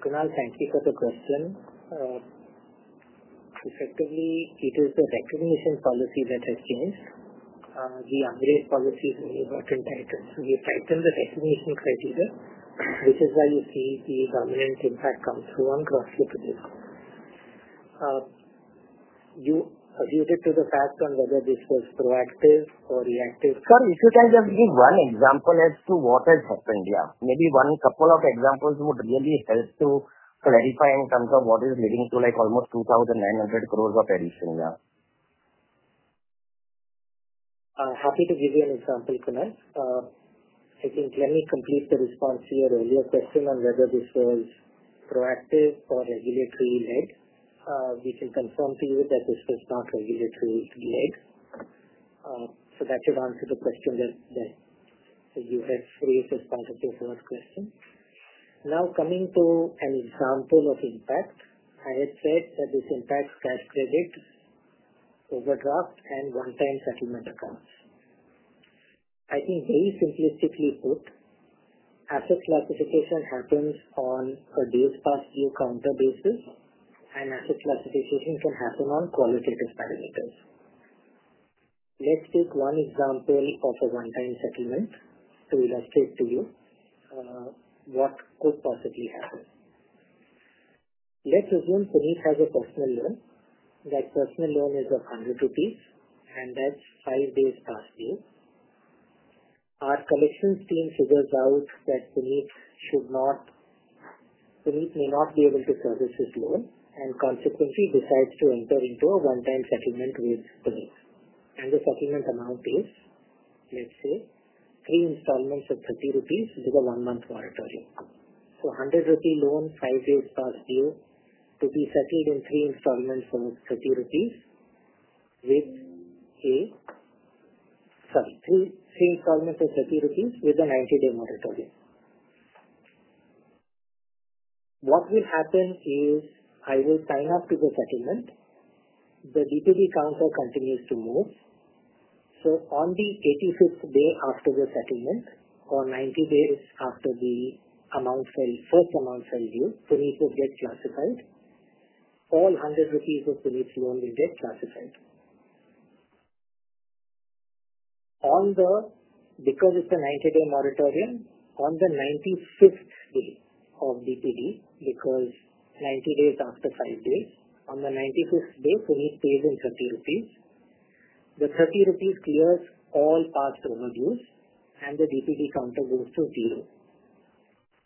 S5: Kunal, thank you for the question. Effectively, it is the recognition policy that has changed. The upgrade policy is only about entitlement. We have tightened the recognition criteria, which is why you see the dominant impact come through on cross-slippages.
S3: You alluded to the fact on whether this was proactive or reactive. Sorry, if you can just give one example as to what has happened, yeah. Maybe one couple of examples would really help to clarify in terms of what is leading to almost 2,900 crores, of addition, yeah. Happy to give you an example, Kunal. I think let me complete the response to your earlier question on whether this was proactive or regulatory-led. We can confirm to you that this was not regulatory-led. So that should answer the question that you had raised as part of your first question. Now, coming to an example of impact, I had said that this impacts cash credit, overdraft, and one-time settlement accounts. I think very simplistically put, asset classification happens on a day-spot view counter basis, and asset classification can happen on qualitative parameters. Let's take one example of a one-time settlement to illustrate to you what could possibly happen. Let's assume Sunit, has a personal loan. That personal loan is of 100 rupees, and that's five days past due. Our collections team figures out that Sunit, may not be able to service his loan and consequently decides to enter into a one-time settlement with Sunit. And the settlement amount is, let's say, three installments of 30 rupees, with a one-month moratorium. So 100 rupee, loan, five days past due, to be settled in three installments of 30 rupees, with a. Sorry, three installments of INR 30, with a 90-day moratorium. What will happen is I will sign off to the settlement. The DPD, counter continues to move. So on the 85th day, after the settlement, or 90 days after the first amount fell due, Sunit, would get classified. All 100 rupees, of Sunit's, loan will get classified. Because it's a 90-day moratorium, on the 95th day of DPD, because 90 days after five days, on the 95th day, Sunit, pays in 30 rupees. The 30 rupees, clears all past overdues, and the DPD, counter goes to zero.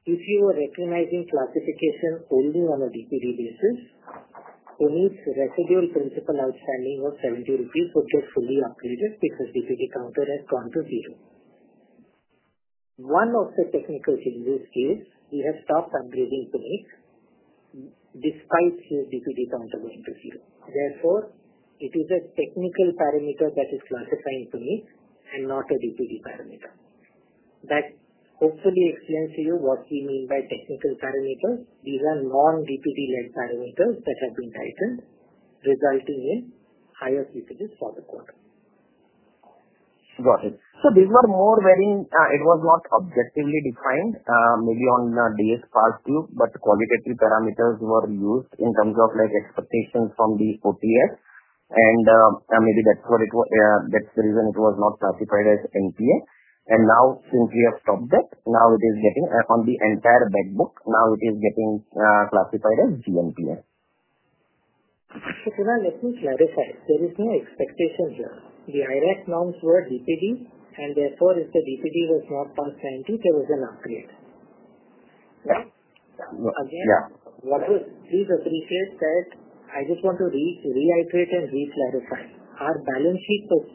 S3: If you were recognizing classification only on a DPD, basis, Sunit's, residual principal outstanding of 70 rupees, would get fully upgraded because DPD, counter has gone to zero. One of the technical changes is we have stopped upgrading Sunit, despite his DPD, counter going to zero. Therefore, it is a technical parameter that is classifying Sunit, and not a DPD, parameter. That hopefully explains to you what we mean by technical parameters. These are non-DPD-led parameters that have been tightened, resulting in higher slippages, for the quarter.
S5: Got it. So these were more wherein it was not objectively defined, maybe on days past due, but qualitative parameters were used in terms of expectations from the OTS. And maybe that's what it was. That's the reason it was not classified as NPA. And now, since we have stopped that, now it is getting on the entire bankbook, now it is getting classified as GNPA.
S3: So Kunal, let me clarify. There is no expectation here. The IRAC, norms were DPD, and therefore, if the DPD, was not past 90, there was an upgrade. Again, please appreciate that I just want to reiterate and reclarify. Our balance sheet was.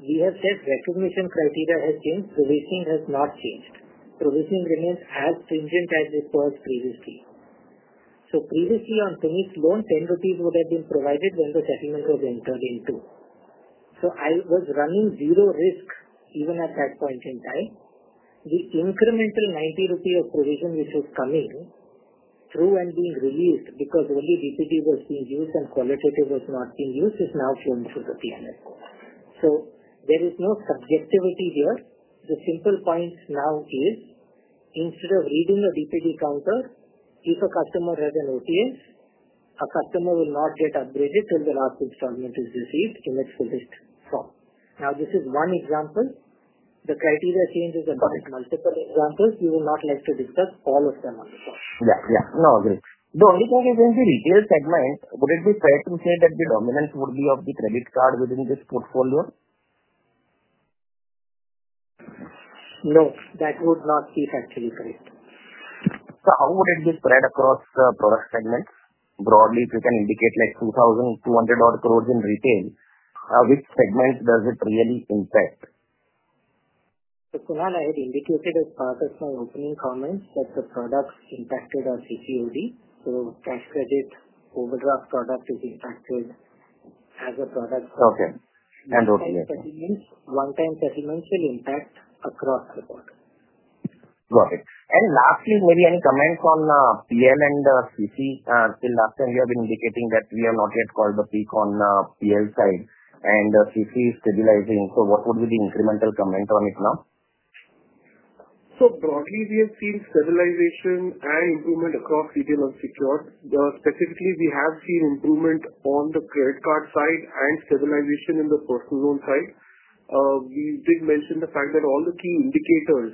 S3: We have said recognition criteria has changed. Provisioning has not changed. Provisioning remains as stringent as it was previously. So previously, on Sunit's loan, 10 rupees, would have been provided when the settlement was entered into. So I was running zero risk even at that point in time. The incremental 90 rupee, of provision which was coming through and being released because only DPD, was being used and qualitative was not being used is now flowing through the PMF. So there is no subjectivity here. The simple point now is instead of reading a DPD, counter, if a customer has an OTS, a customer will not get upgraded till the last installment is received in explicit form. Now, this is one example. The criteria change is about multiple examples. We would not like to discuss all of them on the call. Yeah, yeah. No, agreed.
S5: The only thing is in the retail segment, would it be fair to say that the dominance would be of the credit card within this portfolio?
S3: No, that would not be factually correct.
S5: So how would it be spread across product segments? Broadly, if you can indicate like 2,200-odd crores, in retail, which segment does it really impact?
S3: So Kunal, I had indicated as part of my opening comments that the product impacted our CCoD. So cash credit overdraft product is impacted as a product. Okay. And OTS. One-time settlements will impact across the board.
S5: Got it. And lastly, maybe any comments on PL and CC? The last time you have been indicating that we have not yet called the peak on PL side and CC, is stabilizing. So what would be the incremental comment on it now? So broadly, we have seen stabilization and improvement across retail and secured. Specifically, we have seen improvement on the credit card side and stabilization in the personal loan side. We did mention the fact that all the key indicators,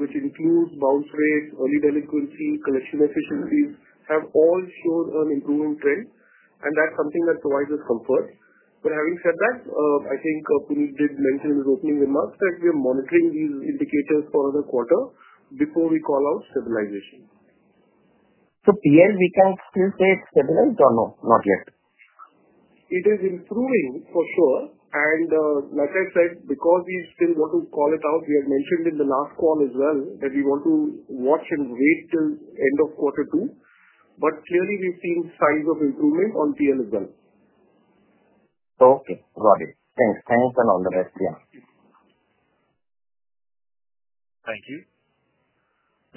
S5: which include bounce rate, early delinquency, collection efficiencies, have all shown an improving trend. And that's something that provides us comfort. But having said that, I think Puneet, did mention in his opening remarks that we are monitoring these indicators for the quarter before we call out stabilization. So PL, we can still say it's stabilized or not yet?
S3: It is improving for sure. And like I said, because we still want to call it out, we had mentioned in the last call as well that we want to watch and wait till end of quarter two. But clearly, we've seen signs of improvement on PL as well.
S5: Okay. Got it. Thanks. Thanks and all the best, yeah.
S1: Thank you.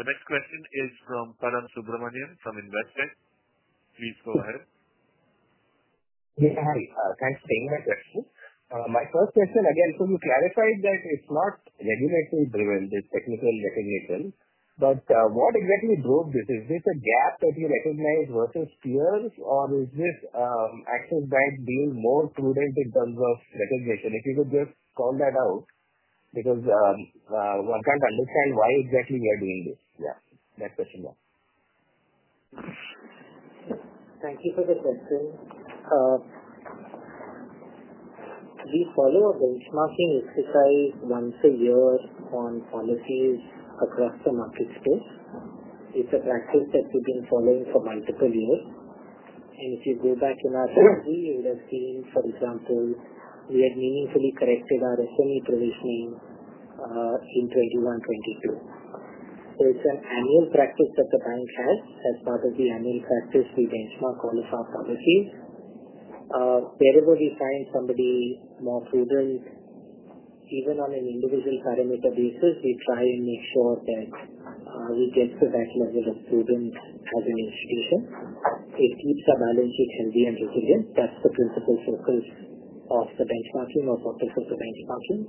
S1: The next question is from Param Subramanian, from Investec. Please go ahead.
S6: Hi. Thanks for taking my question. My first question, again, so you clarified that it's not regulatory-driven, this technical recognition. But what exactly drove this? Is this a gap that you recognize versus peers, or is this Axis Bank, being more prudent in terms of recognition? If you could just call that out because one can't understand why exactly we are doing this. Yeah. That question, yeah.
S3: Thank you for the question. We follow a benchmarking exercise once a year on policies across the market space. It's a practice that we've been following for multiple years. And if you go back in our history, you would have seen, for example, we had meaningfully corrected our SME, provisioning in 2021-22. So it's an annual practice that the bank has. As part of the annual practice, we benchmark all of our policies. Wherever we find somebody more prudent even on an individual parameter basis, we try and make sure that we get to that level of prudence as an institution. It keeps our balance sheet healthy and resilient. That's the principal focus of the benchmarking or purpose of the benchmarking.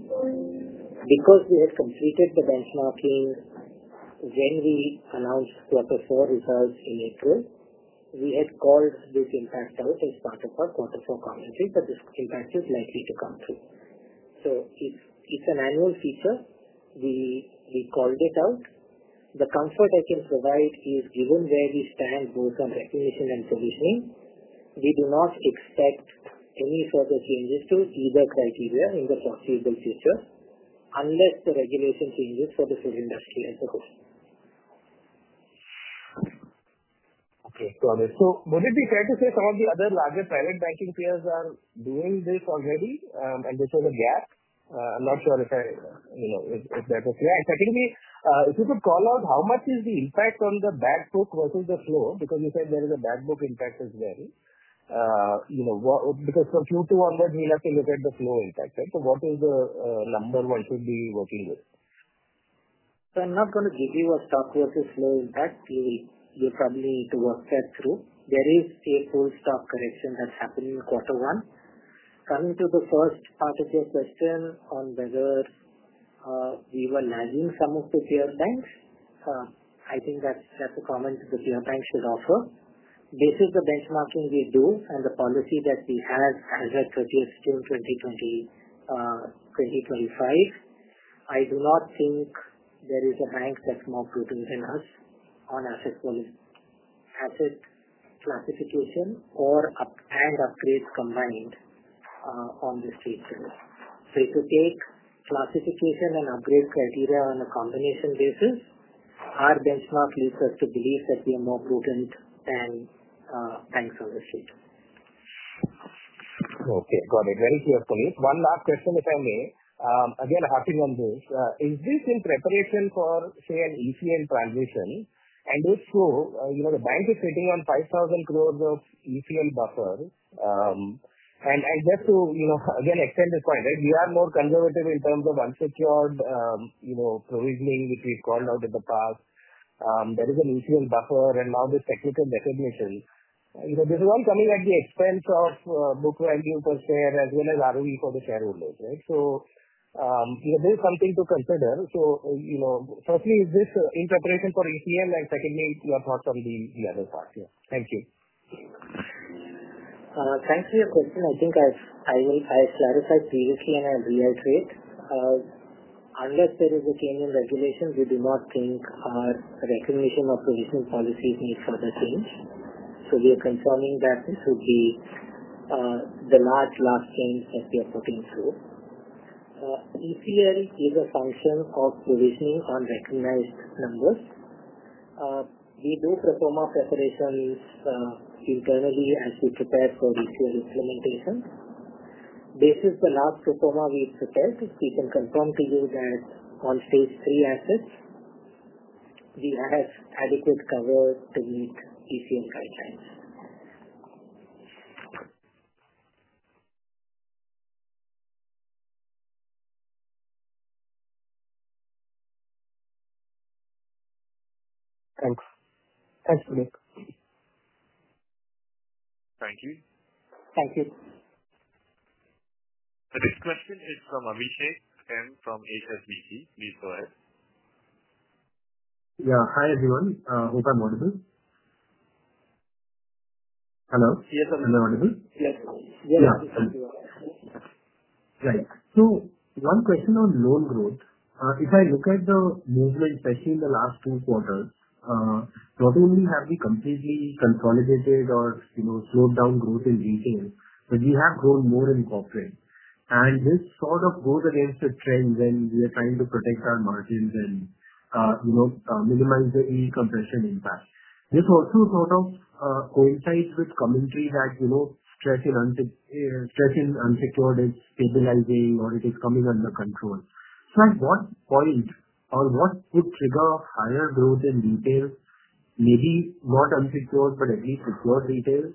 S3: Because we had completed the benchmarking when we announced quarter four results in April, we had called this impact out as part of our quarter four commentary, but this impact is likely to come through. So it's an annual feature. We called it out. The comfort I can provide is given where we stand both on recognition and provisioning. We do not expect any further changes to either criteria in the foreseeable future unless the regulation changes for the whole industry as a whole.
S6: Okay. Got it. So would it be fair to say some of the other larger private banking peers are doing this already, and this is a gap? I'm not sure if that was clear. And secondly, if you could call out how much is the impact on the bankbook versus the flow? Because you said there is a bankbook impact as well. Because from Q2, onwards, we'll have to look at the flow impact. So what is the number one should be working with?
S3: So I'm not going to give you a stock versus flow impact. You'll probably need to work that through. There is a full stock correction that happened in quarter one. Coming to the first part of your question on whether we were lagging some of the peer banks. I think that's a comment the peer bank should offer. This is the benchmarking we do, and the policy that we have as of 30th June 2025. I do not think there is a bank that's more prudent than us on asset classification and upgrades combined. On this feature. So if you take classification and upgrade criteria on a combination basis, our benchmark leads us to believe that we are more prudent than banks on this feature.
S6: Okay. Got it. Very clear, Puneet. One last question, if I may. Again, a happy one this. Is this in preparation for, say, an ECL, transition? And if so, the bank is sitting on 5,000 crore, of ECL, buffer. And just to, again, extend the point, we are more conservative in terms of unsecured provisioning, which we've called out in the past. There is an ECL, buffer, and now this technical recognition. This is all coming at the expense of book value per share as well as ROE, for the shareholders, right? So there is something to consider. So firstly, is this in preparation for ECL? And secondly, your thoughts on the other part? Yeah. Thank you.
S3: Thanks for your question. I think I clarified previously and I'll reiterate. Unless there is a change in regulations, we do not think our recognition of provisioning policies need further change. So we are confirming that this would be the last, last change that we are putting through. ECL, is a function of provisioning on recognized numbers. We do pro forma preparations internally as we prepare for ECL, implementation. This is the last pro forma we prepared. We can confirm to you that on stage three assets we have adequate cover to meet ECL, guidelines.
S6: Thanks. Thanks, Puneet. Thank you.
S3: Thank you.
S1: The next question is from Abhishek M, from HSBC. Please go ahead.
S7: Yeah. Hi, everyone. Hope I'm audible. Hello? Yes, I'm audible. Yes. Yeah. Thank you. Right. So one question on loan growth. If I look at the movement, especially in the last two quarters. Not only have we completely consolidated or slowed down growth in retail, but we have grown more in corporate. And this sort of goes against the trend when we are trying to protect our margins and minimize the income compression impact. This also sort of coincides with commentary that stress in unsecured is stabilizing or it is coming under control. So at what point or what would trigger higher growth in retail, maybe not unsecured, but at least secured retail?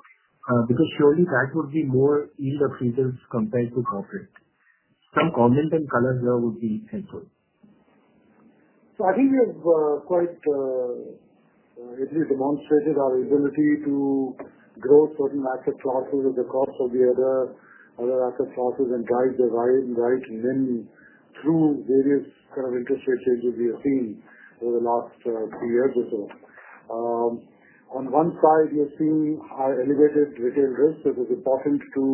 S7: Because surely that would be more yield or results compared to corporate. Some comment and color here would be helpful.
S2: So I think we have, at least, demonstrated our ability to grow certain asset classes at the cost of the other asset classes and get the right mix through various kinds of interest rate changes we have seen over the last few years or so. On one side, you see our elevated retail risk. It was important to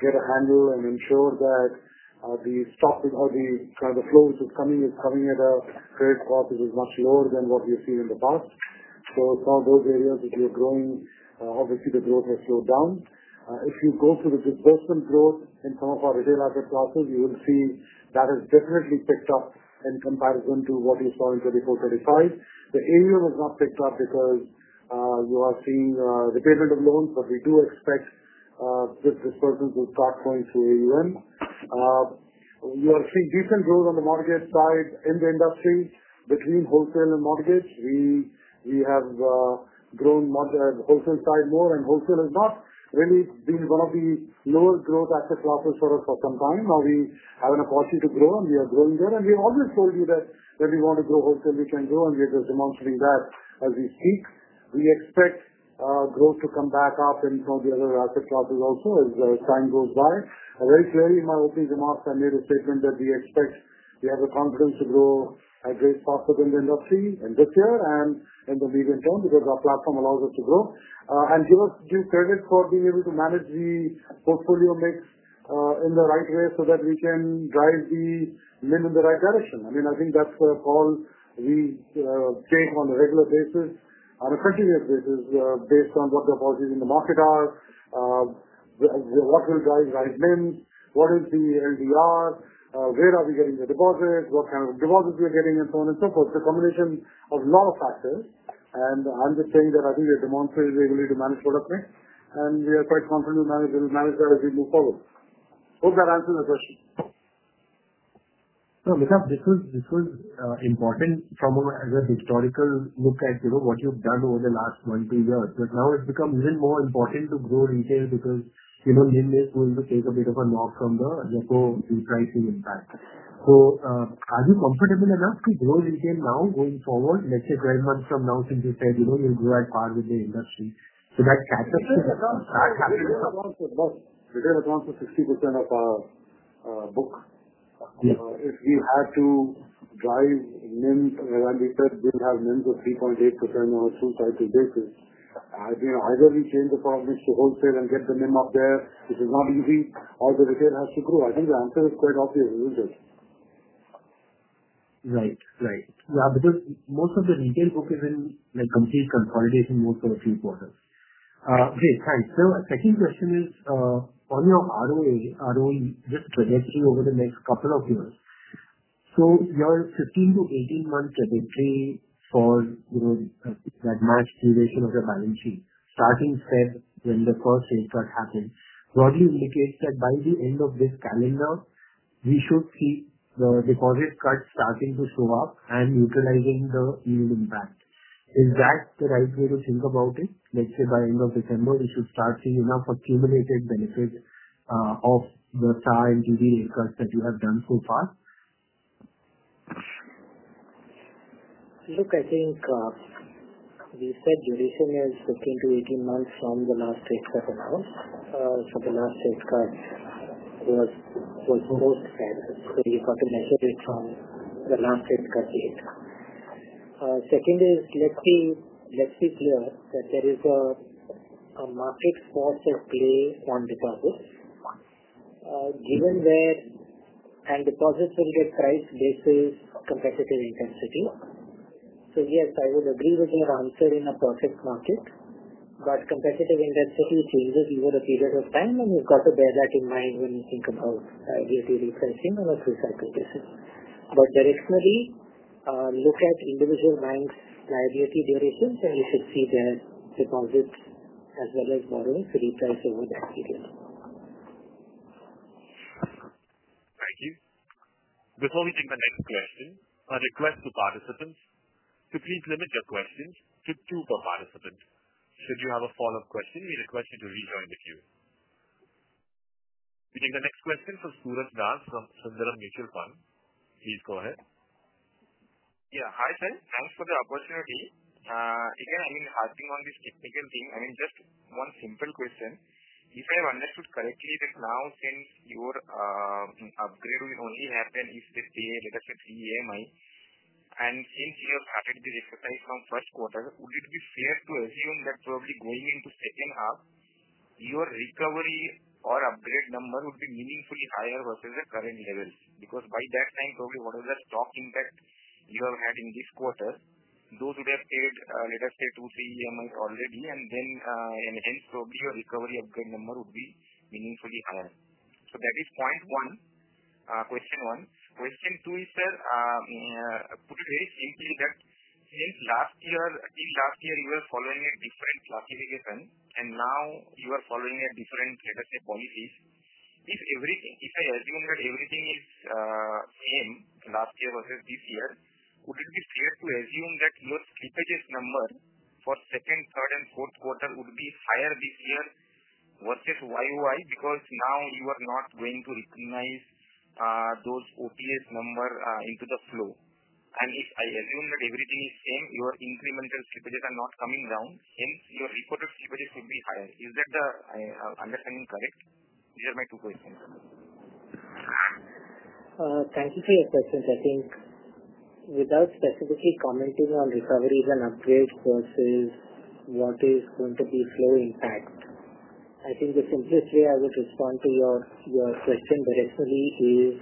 S2: get a handle and ensure that the stock or the kind of flow which is coming is coming at a right cost which is much lower than what we have seen in the past. So some of those areas, if you're growing, obviously the growth has slowed down. If you go to the disbursement growth in some of our retail asset classes, you will see that has definitely picked up in comparison to what you saw in 24-25. The AUM, has not picked up because you are seeing repayment of loans, but we do expect that disbursements will start going through AUM. You are seeing decent growth on the mortgage side in the industry as between wholesale and mortgage. We have grown the wholesale side more, and wholesale has not really been one of the lower growth asset classes for us for some time. Now we have an opportunity to grow, and we are growing there. And we have always told you that when we want to grow wholesale, we can grow, and we are just demonstrating that as we speak. We expect growth to come back up in some of the other asset classes also as time goes by. Very clearly, in my opening remarks, I made a statement that we expect we have the confidence to grow at a greater clip than the industry in this year and in the medium term because our platform allows us to grow. And give us due credit for being able to manage the portfolio mix, in the right way so that we can drive the lending in the right direction. I mean, I think that's the call we take on a regular basis, on a continuous basis, based on what the policies in the market are. What will drive right lending, what is the LDR, where are we getting the deposits, what kind of deposits we are getting, and so on and so forth. It's a combination of a lot of factors. And I'm just saying that I think we have demonstrated the ability to manage product mix, and we are quite confident we'll manage that as we move forward. Hope that answers the question.
S7: No, this was important from a historical look at what you've done over the last one to two years. But now it's become even more important to grow retail because lenders are going to take a bit of a knock from the local repricing impact. So are you comfortable enough to grow retail now going forward, let's say 12 months, from now, since you said you'll grow at par with the industry?
S2: So that catch-up. That happens across the board. Retail across the 60%, of our book. If we had to drive lend, as we said, we'll have lends of 3.8%, on a two-cycle basis. Either we change the product mix, to wholesale and get the lend up there, which is not easy, or the retail has to grow. I think the answer is quite obvious, isn't it?
S7: Right. Right. Yeah. Because most of the retail book is in complete consoli, dation mode for a few quarters. Okay. Thanks. Now, a second question is on your ROE, just trajectory over the next couple of years. So your 15- to 18-month, trajectory for that match duration of the balance sheet, starting February, when the first rate cut happened, broadly indicates that by the end of this calendar, we should see the deposit cuts starting to show up and utilizing the yield impact. Is that the right way to think about it? Let's say by end of December, we should start seeing enough accumulated benefit of the SAR and TV, rate cuts that you have done so far?
S3: Look, I think. We said duration is 15 to 18 months, from the last rate cut announced. So the last rate cut was post-February. So you've got to measure it from the last rate cut date. Second is, let's be clear that there is a market force at play on deposits. Given where. And deposits will get price basis competitive intensity. So yes, I would agree with your answer in a perfect market. But competitive intensity changes over a period of time, and you've got to bear that in mind when you think about liability repricing on a three-cycle basis. But directionally, look at individual banks' liability durations, and you should see their deposits as well as borrowers repriced over that period. Thank you.
S1: Before we take the next question, I request two participants to please limit your questions to two per participant. Should you have a follow-up question, we request you to rejoin the queue. We take the next question from Saurabh Nanavati, from Sundaram Mutual Fund. Please go ahead.
S8: Yeah. Hi, sir. Thanks for the opportunity. Again, I mean, harping on this technical thing, I mean, just one simple question. If I have understood correctly, that now since your upgrade will only happen if they pay let us say 3 EMI. And since you have started this exercise from first quarter, would it be fair to assume that probably going into second half, your recovery or upgrade number would be meaningfully higher versus the current levels? Because by that time, probably whatever the stock impact you have had in this quarter, those would have paid, let us say, two, three EMIs, already, and hence probably your recovery upgrade number would be meaningfully higher. So that is point one, question one. Question two is, sir. Put it very simply that since last year, till last year, you were following a different classification, and now you are following a different, let us say, policy. If I assume that everything is same last year versus this year, would it be fair to assume that your slippages number for second, third, and fourth quarter would be higher this year versus YoY? Because now you are not going to recognize those OTS, numbers into the flow. And if I assume that everything is same, your incremental slippages are not coming down, hence your reported slippages would be higher. Is that the understanding correct? These are my two questions.
S3: Thank you for your questions. I think without specifically commenting on recoveries and upgrades versus what is going to be flow impact, I think the simplest way I would respond to your question directionally is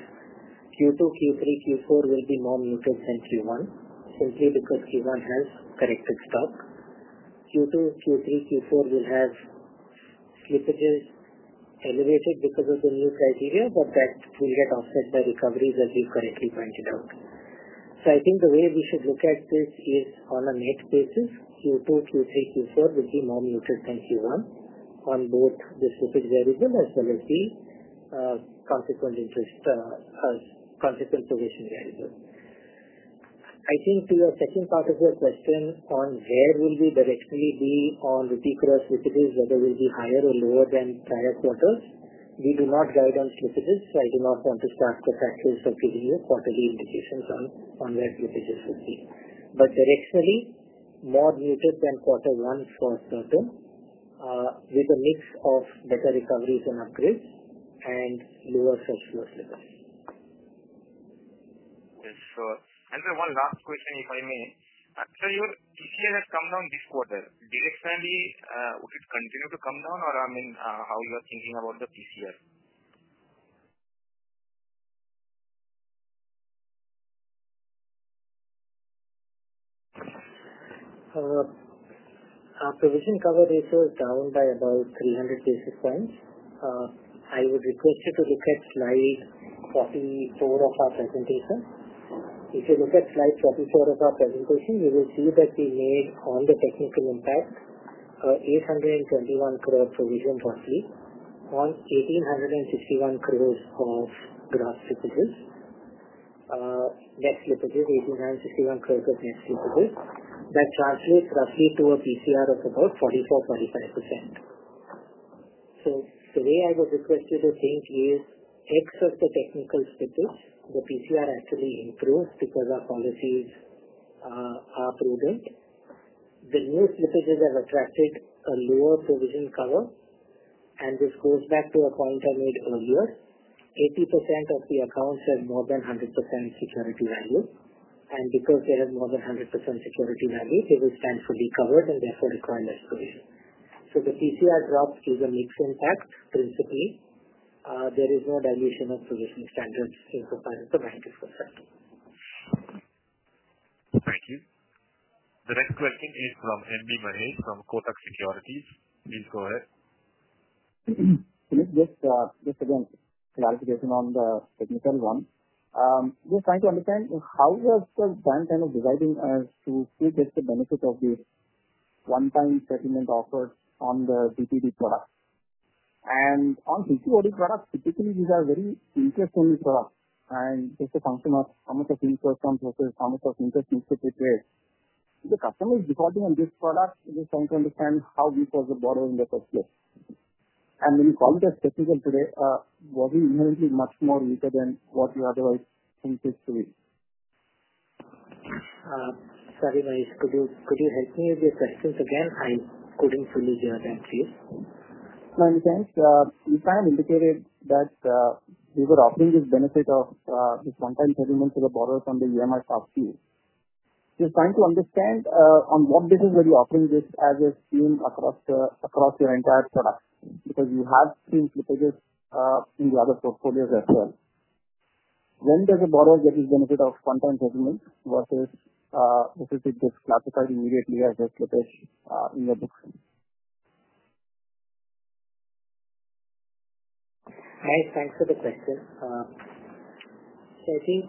S3: Q2, Q3, Q4, will be more muted than Q1, simply because Q1, has corrected stock. Q2, Q3, Q4, will have slippages elevated because of the new criteria, but that will get offset by recoveries, as we've correctly pointed out. So I think the way we should look at this is on a net basis, Q2, Q3, Q4, will be more muted than Q1, on both the slippage variable as well as the consequent progression variable. I think to your second part of your question on where will we directionally be on net-to-gross slippages, whether it will be higher or lower than prior quarters, we do not guide on slippages. So I do not want to stack the factors of giving you quarterly indications on where slippages would be. But directionally, more muted than quarter one for certain. With a mix of better recoveries and upgrades and lower fresh flow slippage.
S8: Yes, sure. Sir, one last question if I may. So your PCR, has come down this quarter. Directionally, would it continue to come down, or I mean, how you are thinking about the PCR?
S3: Provision cover ratio, is down by about 300 basis points. I would request you to look at slide 44, of our presentation. If you look at slide 44, of our presentation, you will see that we made, on the technical impact, 821 crore, of provision roughly on 1,861 crore, of gross slippages. Net slippages, 1,861 crore, of net slippages. That translates roughly to a PCR, of about 44%-45%. So the way I would request you to think is in terms of the technical slippage, the PCR, actually improved because our policies are prudent. The new slippages have attracted a lower provision cover, and this goes back to a point I made earlier. 80%, of the accounts have more than 100%, security value. And because they have more than 100% ,security value, they will stand fully covered and therefore require less provision. So the PCR, drop is a mixed impact, principally. There is no dilution of provision standards in comparison to banking forecast.
S1: Thank you. The next question is from MB Mahesh, from Kotak Securities. Please go ahead.
S9: Just again, clarification on the technical one. We're trying to understand how the bank kind of deciding as to see just the benefit of the one-time settlement offered on the DPD, product. And on CCoD, products, typically these are very interest-only products. And just the function of how much of interest comes versus how much of interest needs to be paid. The customer is defaulting on this product. We're trying to understand how we foresee slippages the first year. And when you call it as technical today, was it inherently much more weaker than what you otherwise think it should be?
S3: Sorry, Mahesh. Could you help me with your questions again? I couldn't fully hear that, please.
S9: My understanding is you kind of indicated that you were offering this benefit of this one-time settlement for the borrowers on the EMI, moratorium. Just trying to understand on what basis were you offering this as a scheme across your entire product? Because you have seen slippages in the other portfolios as well. When does a borrower get this benefit of one-time settlement versus is it just classified immediately as a slippage in your book?
S3: Mahesh, thanks for the question. So I think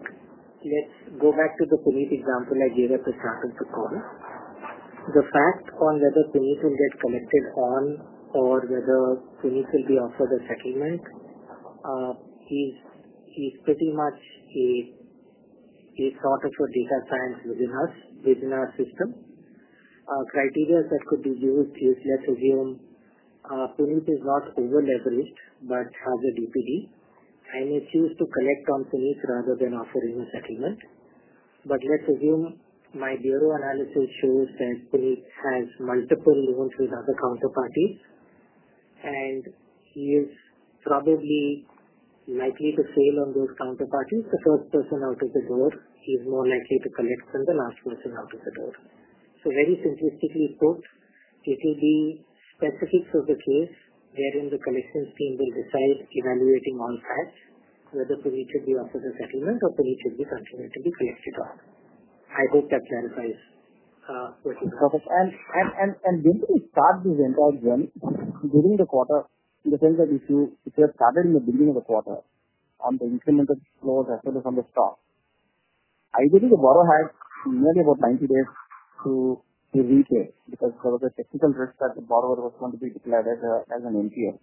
S3: let's go back to the Puneet, example I gave at the start of the call. The fact on whether Puneet, will get collected on or whether Puneet, will be offered a settlement is pretty much a sort of a data science within us, within our system. Criteria that could be used is, let's assume Puneet, is not over-leveraged but has a DPD, and it's used to collect on Puneet, rather than offering a settlement. But let's assume my Bureau analysis, shows that Puneet, has multiple loans with other counterparties. And he is probably likely to fail on those counterparties. The first person out of the door, he's more likely to collect than the last person out of the door. So very simplistically put, it will be specifics of the case wherein the collections team will decide, evaluating all facts, whether Puneet, should be offered a settlement or Puneet, should be continued to be collected on. I hope that clarifies what you have.
S9: Perfect. And when did you start this entire journey during the quarter? In the sense that if you have started in the beginning of the quarter on the incremental flows as well as on the stock. Ideally, the borrower had nearly about 90 days, to repay because there was a technical risk that the borrower was going to be declared as an NPL.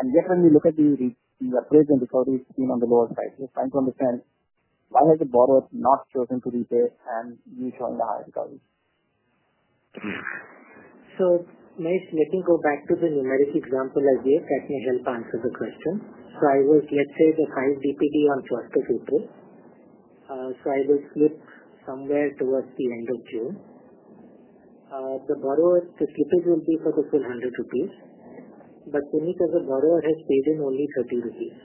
S9: And yet when we look at the upgrades and recoveries seen on the lower side, we're trying to understand why has the borrower not chosen to repay and you joined the high recovery?
S3: So, Mahesh, let me go back to the numeric example I gave that may help answer the question. So I was, let's say, the high DPD, on 1st of April. So I will slip somewhere towards the end of June. The borrower, the slippage will be for the full 100 rupees. But Puneet, as a borrower, has paid in only 30 rupees.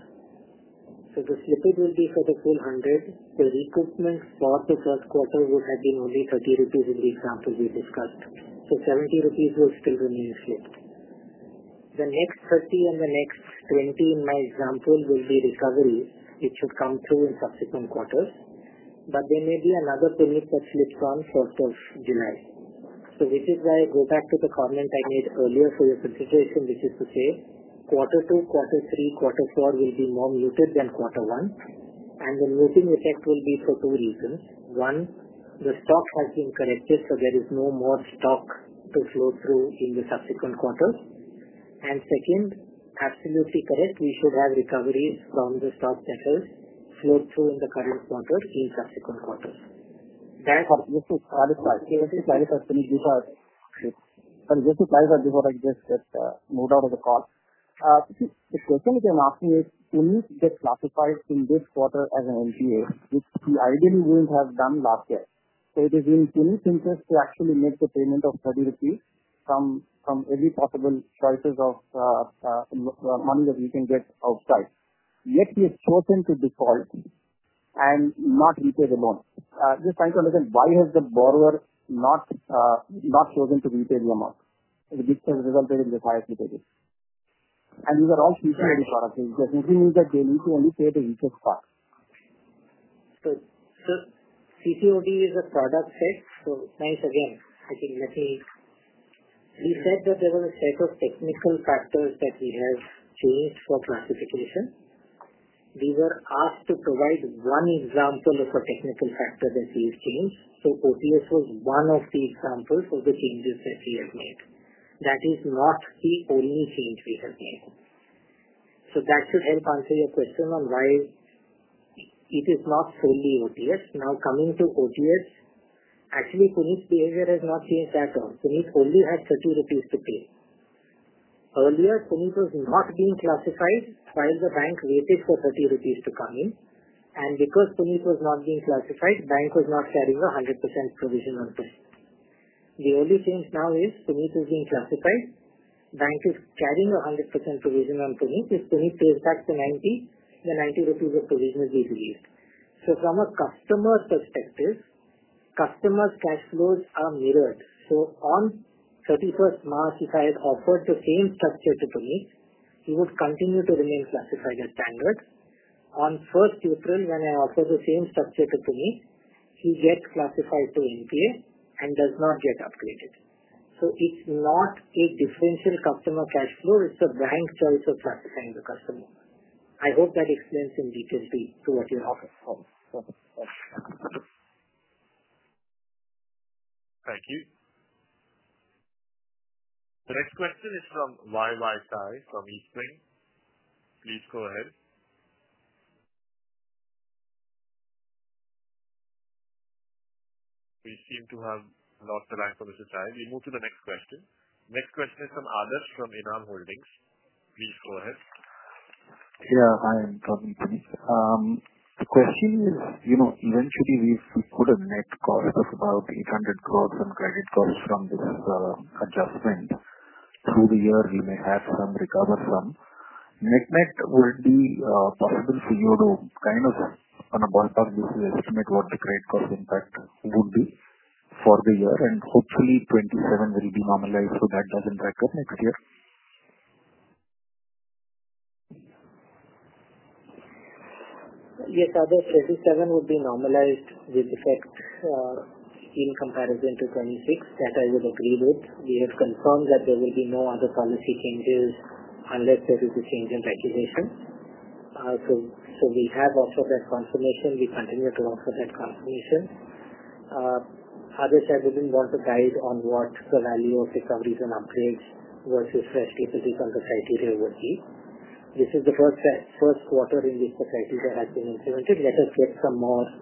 S3: So the slippage will be for the full 100. The recoupment for the first quarter would have been only 30 rupees, in the example we discussed. So 70 rupees, will still remain slipped. The next 30, and the next 20, in my example will be recovery, which should come through in subsequent quarters. But there may be another Puneet, that slips on 1st of July. So this is why I go back to the comment I made earlier for your consideration, which is to say quarter two, quarter three, quarter four will be more muted than quarter one. And the muting effect will be for two reasons. One, the stock has been corrected, so there is no more stock to flow through in the subsequent quarters. And second, absolutely correct, we should have recoveries from the stock that has flowed through in the current quarter in subsequent quarters. That's it.
S9: This is clarified. Can you clarify, Puneet, before I. Sorry. Puneet, just to clarify before I just get moved out of the call. The question that I'm asking is, Puneet, gets classified in this quarter as an NPA, which he ideally wouldn't have done last year. So it is in Puneet's, interest to actually make the payment of 30 rupees, from every possible choice of money that you can get outside. Yet he has chosen to default and not repay the loan. Just trying to understand why has the borrower not chosen to repay the amount, which has resulted in this higher slippage. And these are all CQOD, products. It doesn't mean that they need to only pay the weaker stock.
S3: So CQOD, is a product set. So, Mahesh, again, I think let me. We said that there was a set of technical factors that we have changed for classification. We were asked to provide one example of a technical factor that we've changed. So OTS, was one of the examples of the changes that we have made. That is not the only change we have made. So that should help answer your question on why. It is not solely OTS. Now, coming to OTS, actually, Puneet's, behavior has not changed at all. Puneet, only has 30 rupees, to pay. Earlier, Puneet, was not being classified while the bank waited for 30 rupees, to come in. And because Puneet, was not being classified, the bank was not carrying a 100%, provision on Puneet. The only change now is Puneet, is being classified. The bank is carrying a 100%, provision on Puneet. If Puneet, pays back the 90, the 90 rupees, of provision will be released. So from a customer perspective, customers' cash flows are mirrored. So on 31st March, if I had offered the same structure to Puneet, he would continue to remain classified, as standard. On 1st April, when I offered the same structure to Puneet, he gets classified to NPA, and does not get upgraded. So it's not a differential customer cash flow. It's a bank choice of classifying the customer. I hope that explains in detail to what you're offering. Thank you.
S1: The next question is from YY Sari from Eastwing. Please go ahead. We seem to have not the right person to chat. We move to the next question. Next question is from Akash, from Enam Holdings. Please go ahead.
S10: Yeah, hi. I'm talking to Puneet. The question is, eventually, we've put a net cost of about 800, on credit costs, from this adjustment. Through the year, we may have some recovered some. Net net would be possible for you to kind of, on a ballpark basis, estimate what the credit cost impact would be for the year. And hopefully, 27, will be normalized so that doesn't rack up next year.
S3: Yes, Akash, 27, will be normalized with effect. In comparison to 26. That I would agree with. We have confirmed that there will be no other policy changes unless there is a change in regulation. So we have offered that confirmation. We continue to offer that confirmation. Akash, I wouldn't want to guide on what the value of recoveries and upgrades versus fresh slippages on the criteria would be. This is the first quarter in which the criteria has been implemented. Let us get some more.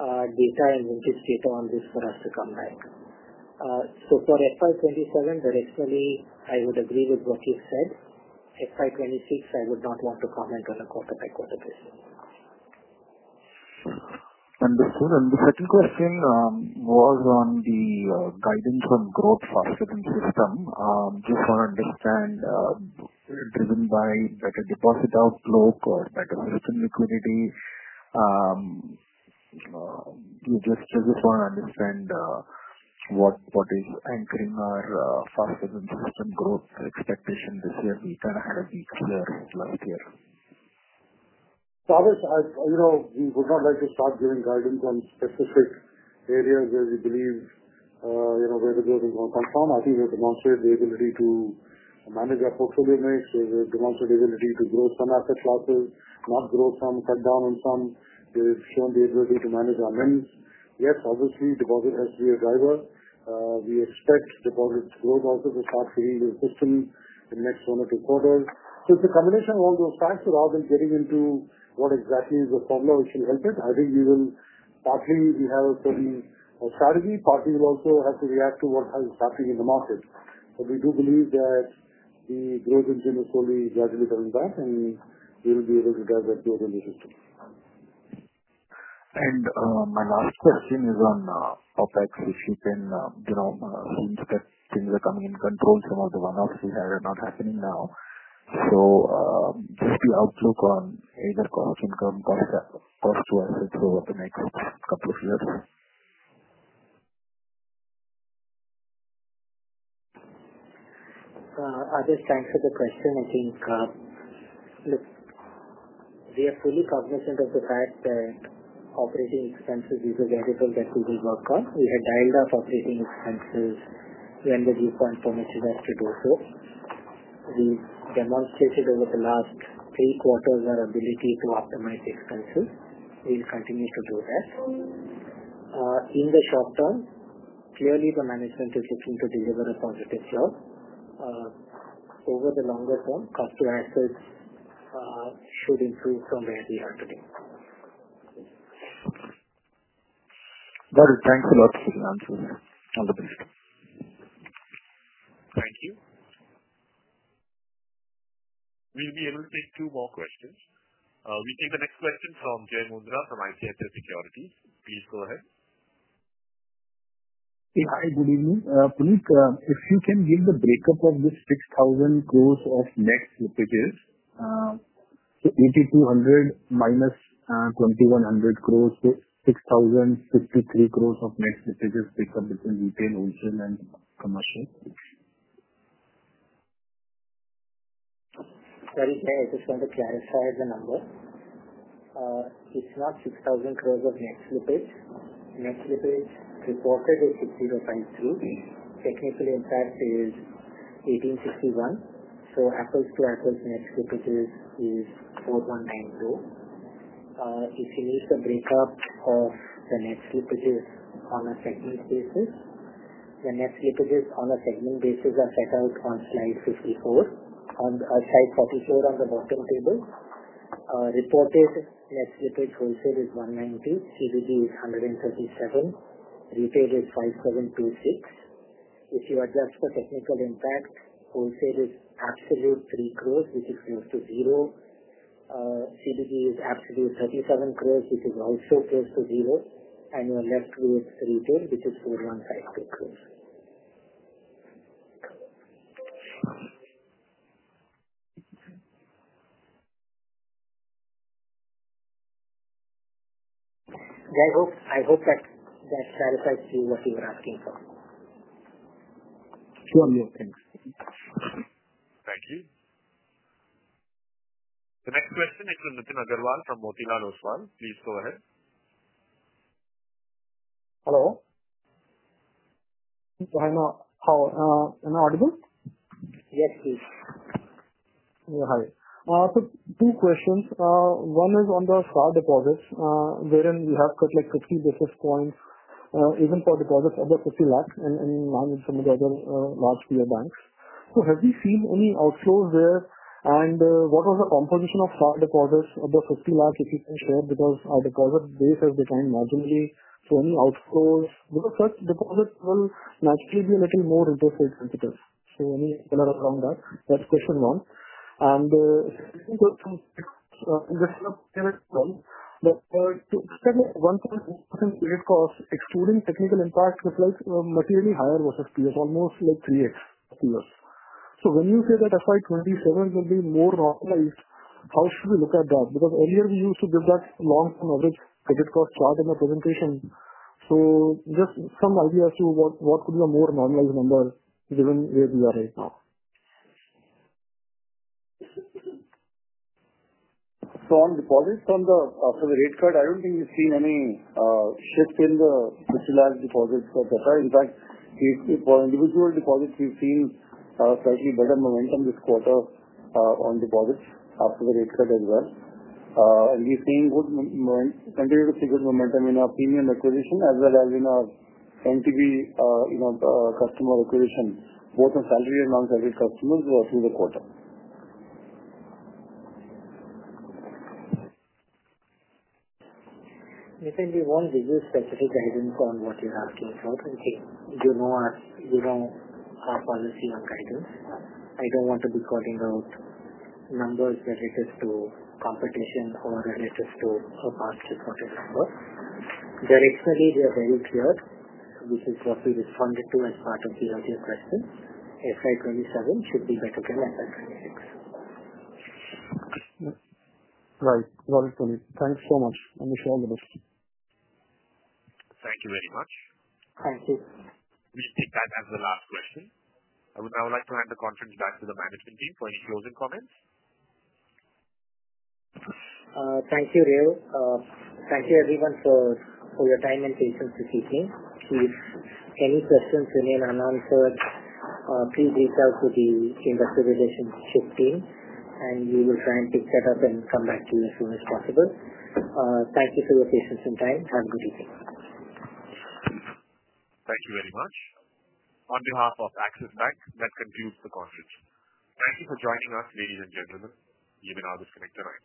S3: Data and vintage data on this for us to come back. So for FY27, directionally, I would agree with what you've said. FY26, I would not want to comment on a quarter-by-quarter basis.
S10: Understood. And the second question was on the guidance on growth faster in the system. Just want to understand. Driven by better deposit outlook or better system liquidity? Just want to understand. What is anchoring our faster than system growth expectation this year. We kind of had a weak year last year.
S2: So Akash, we would not like to start giving guidance on specific areas where we believe. Where the growth is going to come from. I think we have demonstrated the ability to manage our portfolio mix. We have demonstrated the ability to grow some asset classes, not grow some, cut down on some.
S3: We have shown the ability to manage our NIMs. Yes, obviously, deposit has to be a driver. We expect deposit growth also to start feeding into the system in the next one or two quarters. So it's a combination of all those factors. Rather than getting into what exactly is the formula which will help it, I think we will partly have a certain strategy. Partly, we'll also have to react to what is happening in the market. But we do believe that. The growth engine is slowly gradually coming back, and we will be able to drive that growth in the system.
S10: And my last question is on OpEx, if you can. Since things are coming in control, some of the one-offs we had are not happening now. So. Just the outlook on either cost to income, cost to assets over the next couple of years.
S3: Akash, thanks for the question. I think. Look. We are fully cognizant of the fact that operating expenses is a variable that we will work on. We had dialed up operating expenses when the viewpoint permitted us to do so. We've demonstrated over the last three quarters our ability to optimize expenses. We'll continue to do that. In the short term, clearly, the management is looking to deliver a positive flow. Over the longer term, cost to assets. Should improve from where we are today.
S10: Got it. Thanks a lot for the answers. All the best. Thank you.
S1: We'll be able to take two more questions. We take the next question from Jay Yadav, from ICICI Securities. Please go ahead.
S11: Yeah. Hi. Good evening. Puneet, if you can give the breakup of this 6,000, gross of net slippages. So 8,200 minus 2,100 gross, so 6,053, gross of net slippages breakup between retail, wholesale, and commercial.
S3: Sorry, Jay. I just want to clarify the number. It's not 6,000 gross of net slippage. Net slippage reported is 6,053. Technical impact is 1,861. So apples to apples net slippages, is 4,192. If you need the breakup of the net slippages on a segment basis, the net slippages on a segment basis are set out on slide 54, on slide 44, on the bottom table. Reported net slippage wholesale is 190. CVD, is 137. Retail is 5,726. If you adjust for technical impact, wholesale is absolute 3 gross, which is close to zero. CVD, is absolute 37 gross, which is also close to zero. And you are left with retail, which is 4,152 gross. Jay, I hope that clarifies to you what you were asking for.
S12: Sure. Thanks. Thank you.
S1: The next question is from Nitin Aggarwal, from Motilal Oswal. Please go ahead.
S13: Hello. Do I know how—am I audible?
S3: Yes, please.
S13: Yeah. Hi. So two questions. One is on the CASA deposits, wherein we have cut like 50 basis points, even for deposits above 50 lakh, and in line with some of the other large PSU, banks. So have we seen any outflows there? And what was the composition of CASA deposits, above 50 lakh? If you can share because our deposit base has declined marginally. So any outflows? Because first, deposits will naturally be a little more interested than it is. So any color around that? That's question one. And in the one-third of the credit cost, excluding technical impact, was like materially higher versus POs, almost like 3/8 of POs. So when you say that FY27, will be more normalized, how should we look at that? Because earlier, we used to give that long-term average credit cost chart in the presentation. So just some idea as to what could be a more normalized number given where we are right now.
S2: So on deposits from after the rate cut, I don't think we've seen any shift in the INR 50 lakh, deposits etc. In fact, for individual deposits, we've seen slightly better momentum this quarter on deposits after the rate cut as well. And we've seen good momentum, continued to see good momentum in our premium acquisition as well as in our NTB, customer acquisition, both in salaried and non-salaried customers through the quarter.
S3: Nitin, we won't give you specific guidance on what you're asking for. Okay. You know. Our policy on guidance. I don't want to be calling out numbers related to competition or related to a past reported number. Directionally, we are very clear, which is what we responded to as part of the earlier question. FY27, should be better than FY26. Right.
S13: Got it, Puneet. Thanks so much. I wish you all the best.
S3: Thank you very much.
S13: Thank you.
S1: We'll take that as the last question. I would now like to hand the conference back to the management team for any closing comments.
S2: Thank you, Rehu. Thank you, everyone, for your time and patience this evening. If any questions remain unanswered, please reach out to the Investor Relations team, and we will try and pick that up and come back to you as soon as possible. Thank you for your patience and time. Have a good evening.
S1: Thank you very much. On behalf of Axis Bank, that concludes the conference. Thank you for joining us, ladies and gentlemen. You may now disconnect at the moment.